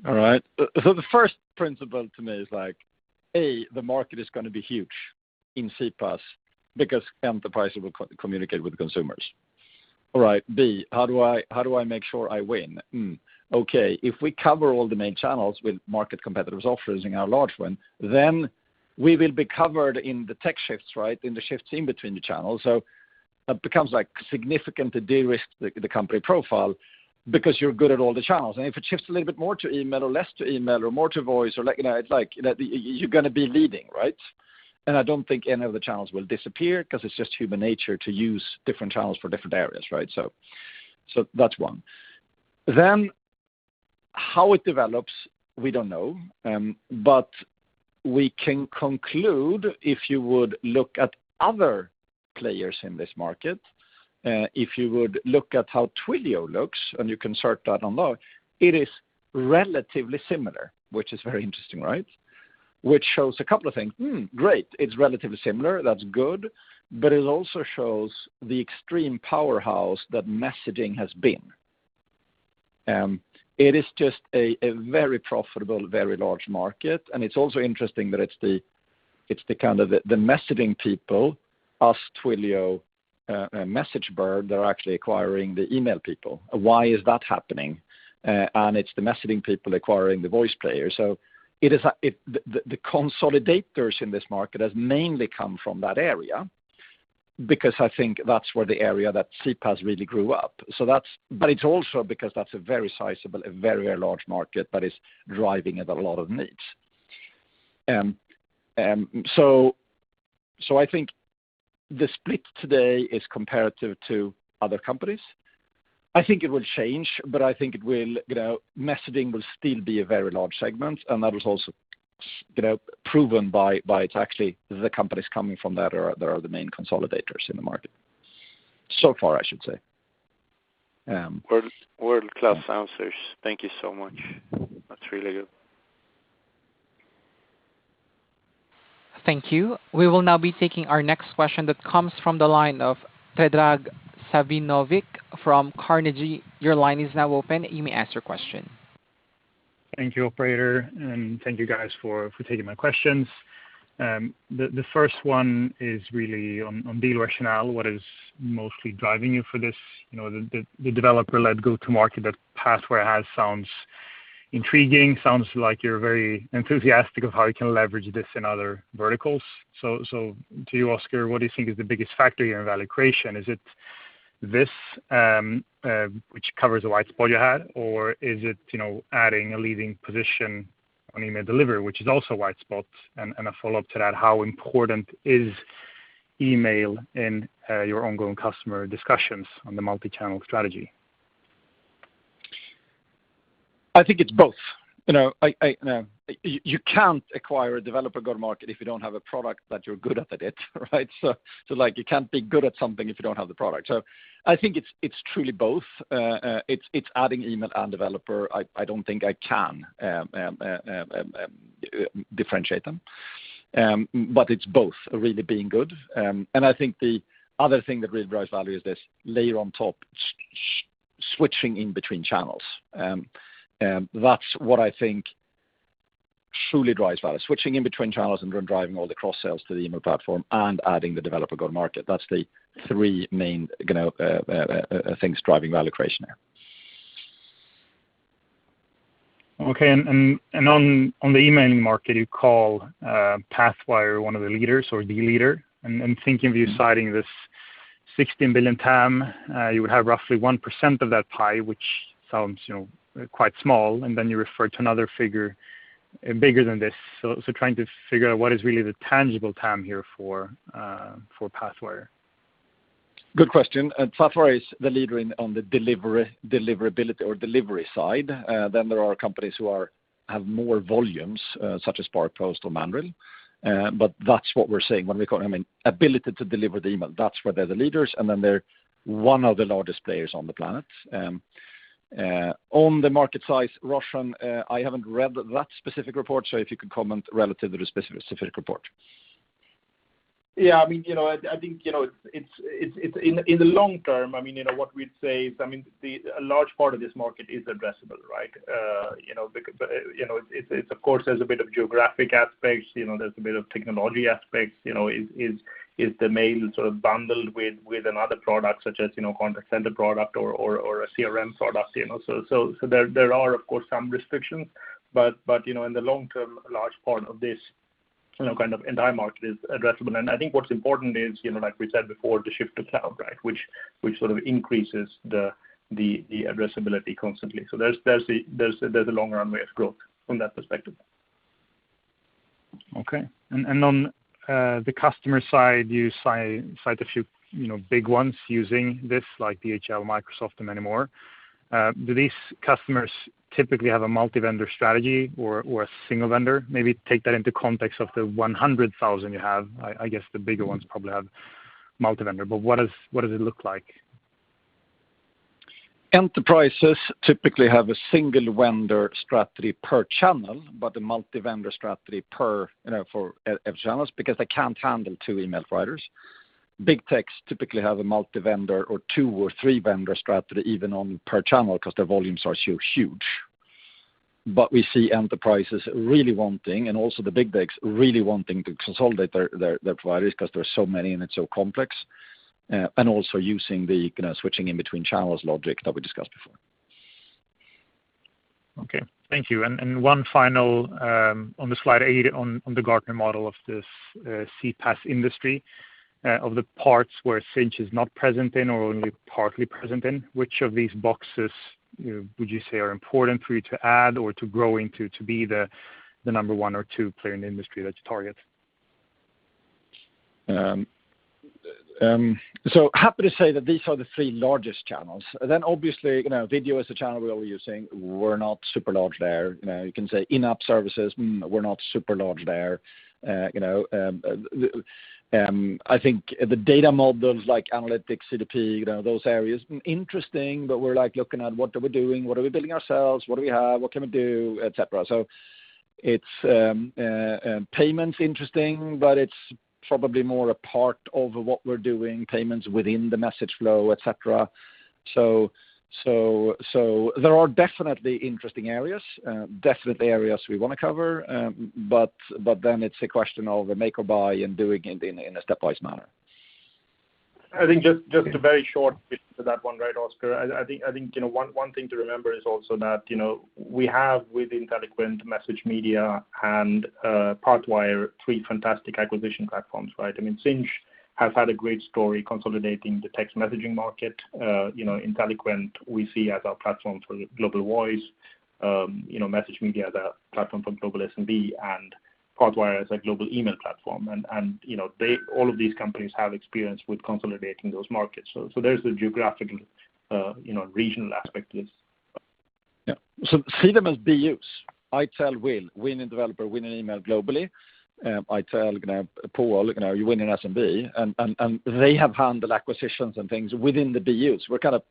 All right. The first principle to me is like, A, the market is going to be huge in CPaaS because enterprises will communicate with consumers. All right. B, how do I make sure I win? Okay. If we cover all the main channels with market competitors' offerings in our large one, then we will be covered in the tech shifts. In the shifts in between the channels. It becomes like significant to de-risk the company profile because you're good at all the channels. If it shifts a little bit more to email or less to email or more to voice, you're going to be leading. I don't think any of the channels will disappear because it's just human nature to use different channels for different areas, right? That's one. How it develops, we don't know. We can conclude if you would look at other players in this market, if you would look at how Twilio looks, and you can search that on lagom, it is relatively similar, which is very interesting. Which shows a couple of things. Great, it's relatively similar. That's good. It also shows the extreme powerhouse that messaging has been. It is just a very profitable, very large market, and it's also interesting that it's the kind of the messaging people, us, Twilio, MessageBird, that are actually acquiring the email people. Why is that happening? It's the messaging people acquiring the voice players. The consolidators in this market has mainly come from that area. I think that's where the area that CPaaS really grew up. It's also because that's a very sizable and very large market that is driving it a lot of needs. I think the split today is comparative to other companies. I think it will change, but I think messaging will still be a very large segment. That is also proven by it's actually the companies coming from that are the main consolidators in the market. Far, I should say. World-class answers. Thank you so much. That's really good. Thank you. We will now be taking our next question that comes from the line of Predrag Savinovic from Carnegie. Your line is now open. You may ask your question. Thank you, operator, and thank you guys for taking my questions. The first one is really on deal rationale. What is mostly driving you for this? The developer-led go-to-market, that Pathwire has sounds intriguing, sounds like you're very enthusiastic of how you can leverage this in other verticals. To you, Oscar, what do you think is the biggest factor here in value creation? Is it this which covers the white spot you had, or is it adding a leading position on email delivery, which is also white spots? A follow-up to that, how important is email in your ongoing customer discussions on the multi-channel strategy? I think it's both. You can't acquire a developer go-to-market if you don't have a product that you're good at it, right? You can't be good at something if you don't have the product. I think it's truly both. It's adding email and developer. I don't think I can differentiate them. It's both really being good. I think the other thing that really drives value is this layer on top, switching in between channels. That's what I think truly drives value. Switching in between channels and then driving all the cross-sells to the email platform and adding the developer go-to-market. That's the three main things driving value creation there. Okay. On the emailing market, you call Pathwire one of the leaders or the leader. Thinking of you citing this 16 billion TAM, you would have roughly 1% of that pie, which sounds quite small. You refer to another figure bigger than this. Trying to figure out what is really the tangible TAM here for Pathwire. Good question. Pathwire is the leader on the deliverability or delivery side. There are companies who have more volumes, such as SparkPost or Mandrill. That's what we're saying when we call them an ability to deliver the email. That's where they're the leaders. They're one of the largest players on the planet. On the market size, Roshan, I haven't read that specific report. If you could comment relative to the specific report. Yeah, I think in the long term, what we'd say is a large part of this market is addressable, right? Of course, there's a bit of geographic aspects, there's a bit of technology aspects. Is the mail sort of bundled with another product such as a content sender product or a CRM product? There are, of course, some restrictions, but in the long term, a large part of this entire market is addressable. I think what's important is, like we said before, the shift to cloud, right? Which sort of increases the addressability constantly. There's a long runway of growth from that perspective. Okay. On the customer side, you cite a few big ones using this, like DHL, Microsoft, and many more. Do these customers typically have a multi-vendor strategy or a single vendor? Maybe take that into context of the 100,000 you have. I guess the bigger ones probably have multi-vendor. What does it look like? Enterprises typically have a single vendor strategy per channel, but a multi-vendor strategy for every channels, because they can't handle two email providers. Big techs typically have a multi-vendor or two or three vendor strategy even on per channel because their volumes are so huge. We see enterprises really wanting, and also the big techs really wanting to consolidate their providers because there are so many and it's so complex. Also using the switching in between channels logic that we discussed before. Okay. Thank you. One final, on the slide eight on the Gartner model of this CPaaS industry, of the parts where Sinch is not present in or only partly present in, which of these boxes would you say are important for you to add or to grow into to be the number one or two player in the industry that you target? Happy to say that these are the three largest channels. Obviously, video is a channel we're using. We're not super large there. You can say in-app services, we're not super large there. I think the data models like analytics, CDP, those areas, interesting, but we're looking at what are we doing, what are we building ourselves, what do we have, what can we do, et cetera. Payment's interesting, but it's probably more a part of what we're doing, payments within the message flow, et cetera. There are definitely interesting areas, definitely areas we want to cover, but then it's a question of make or buy and doing it in a stepwise manner. I think just a very short bit to that one, right, Oscar? I think one thing to remember is also that we have, with Inteliquent, MessageMedia, and Pathwire, three fantastic acquisition platforms, right? Sinch has had a great story consolidating the text messaging market. Inteliquent, we see as our platform for global voice. MessageMedia, the platform for global SMB, and Pathwire is a global email platform. All of these companies have experience with consolidating those markets. There's the geographic regional aspect is. Yeah. See them as BUs. I tell Will, winning developer, winning email globally. I tell Paul, you're winning SMB, and they have handled acquisitions and things within the BUs. We're kind of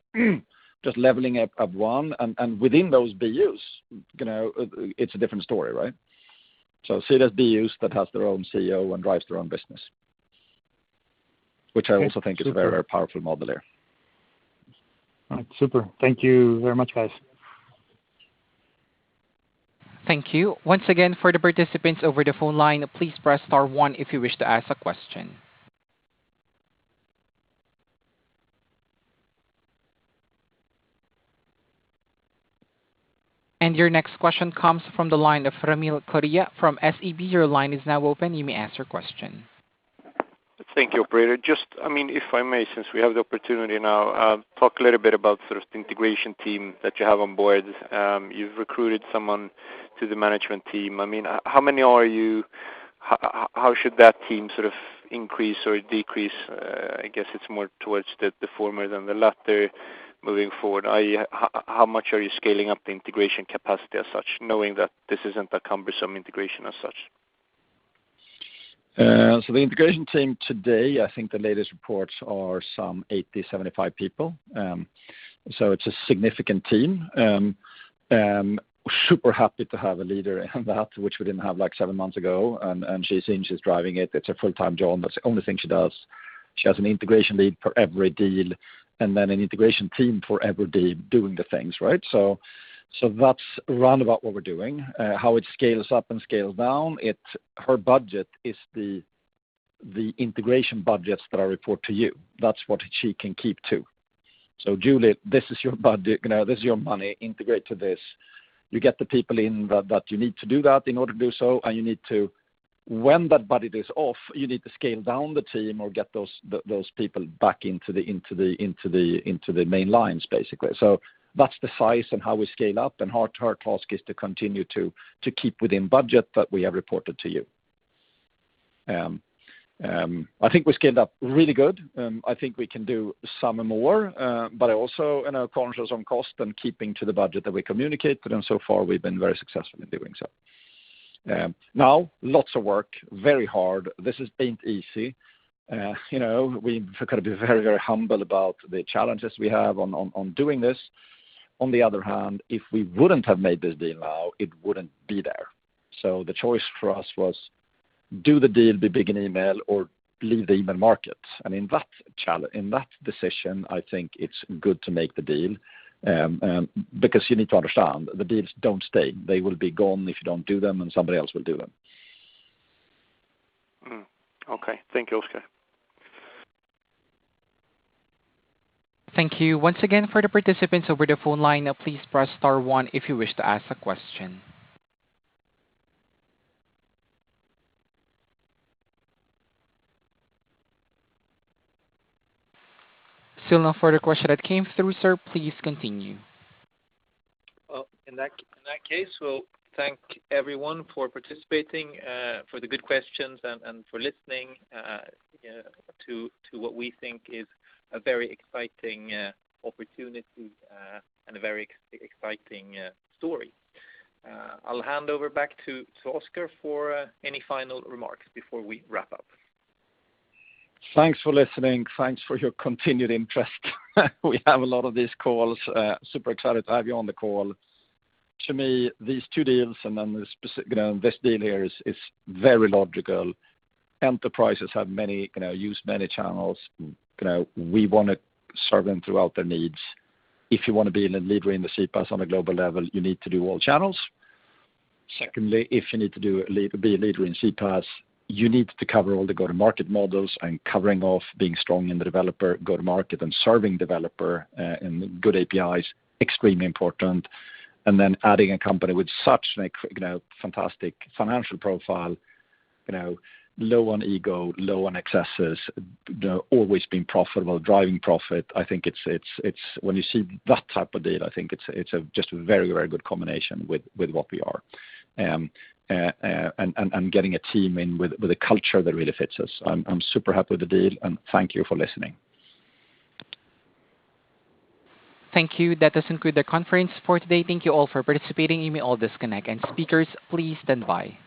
just leveling up one, and within those BUs, it's a different story, right? See it as BUs that has their own CEO and drives their own business, which I also think is a very powerful model there. All right. Super. Thank you very much, guys. Thank you. Once again, for the participants over the phone line, please press star one if you wish to ask a question. Your next question comes from the line of Ramil Koria from SEB. Your line is now open. You may ask your question. Thank you, operator. Just, if I may, since we have the opportunity now, talk a little bit about sort of the integration team that you have on board. You've recruited someone to the management team. How many are you? How should that team sort of increase or decrease? I guess it's more towards the former than the latter moving forward. How much are you scaling up the integration capacity as such, knowing that this isn't a cumbersome integration as such? The integration team today, I think the latest reports are some 80, 75 people. It's a significant team. Super happy to have a leader in that, which we didn't have seven months ago, and she's in, she's driving it. It's her full-time job. That's the only thing she does. She has an integration lead for every deal, and then an integration team for every deal doing the things, right? That's round about what we're doing. How it scales up and scales down, her budget is the integration budgets that I report to you. That's what she can keep to. Juliet, this is your budget. This is your money, integrate to this. You get the people in that you need to do that in order to do so, and you need to, when that budget is off, you need to scale down the team or get those people back into the main lines, basically. That's the size and how we scale up, and her task is to continue to keep within budget that we have reported to you. I think we scaled up really good. I think we can do some more. Also conscious on cost and keeping to the budget that we communicate, but then so far, we've been very successful in doing so. Lots of work, very hard. This has been easy. We've got to be very humble about the challenges we have on doing this. On the other hand, if we wouldn't have made this deal now, it wouldn't be there. The choice for us was do the deal, be big in email or leave the email market. In that decision, I think it's good to make the deal, because you need to understand, the deals don't stay. They will be gone if you don't do them, and somebody else will do them. Okay. Thank you, Oscar. Thank you. Once again, for the participants over the phone line, please press star one if you wish to ask a question. Still no further questions that came through, sir. Please continue. Well, in that case, we'll thank everyone for participating, for the good questions, and for listening to what we think is a very exciting opportunity and a very exciting story. I'll hand over back to Oscar for any final remarks before we wrap up. Thanks for listening. Thanks for your continued interest. We have a lot of these calls. Super excited to have you on the call. To me, these two deals, and then this deal here is very logical. Enterprises use many channels. We want to serve them throughout their needs. If you want to be a leader in the CPaaS on a global level, you need to do all channels. If you need to be a leader in CPaaS, you need to cover all the go-to-market models and covering off being strong in the developer go-to-market and serving developer in good APIs, extremely important. Adding a company with such fantastic financial profile, low on ego, low on excesses, always being profitable, driving profit. I think when you see that type of deal, I think it's just a very good combination with what we are. Getting a team in with a culture that really fits us. I'm super happy with the deal, and thank you for listening. Thank you. That does conclude the conference for today. Thank you all for participating. You may all disconnect. Speakers, please stand by.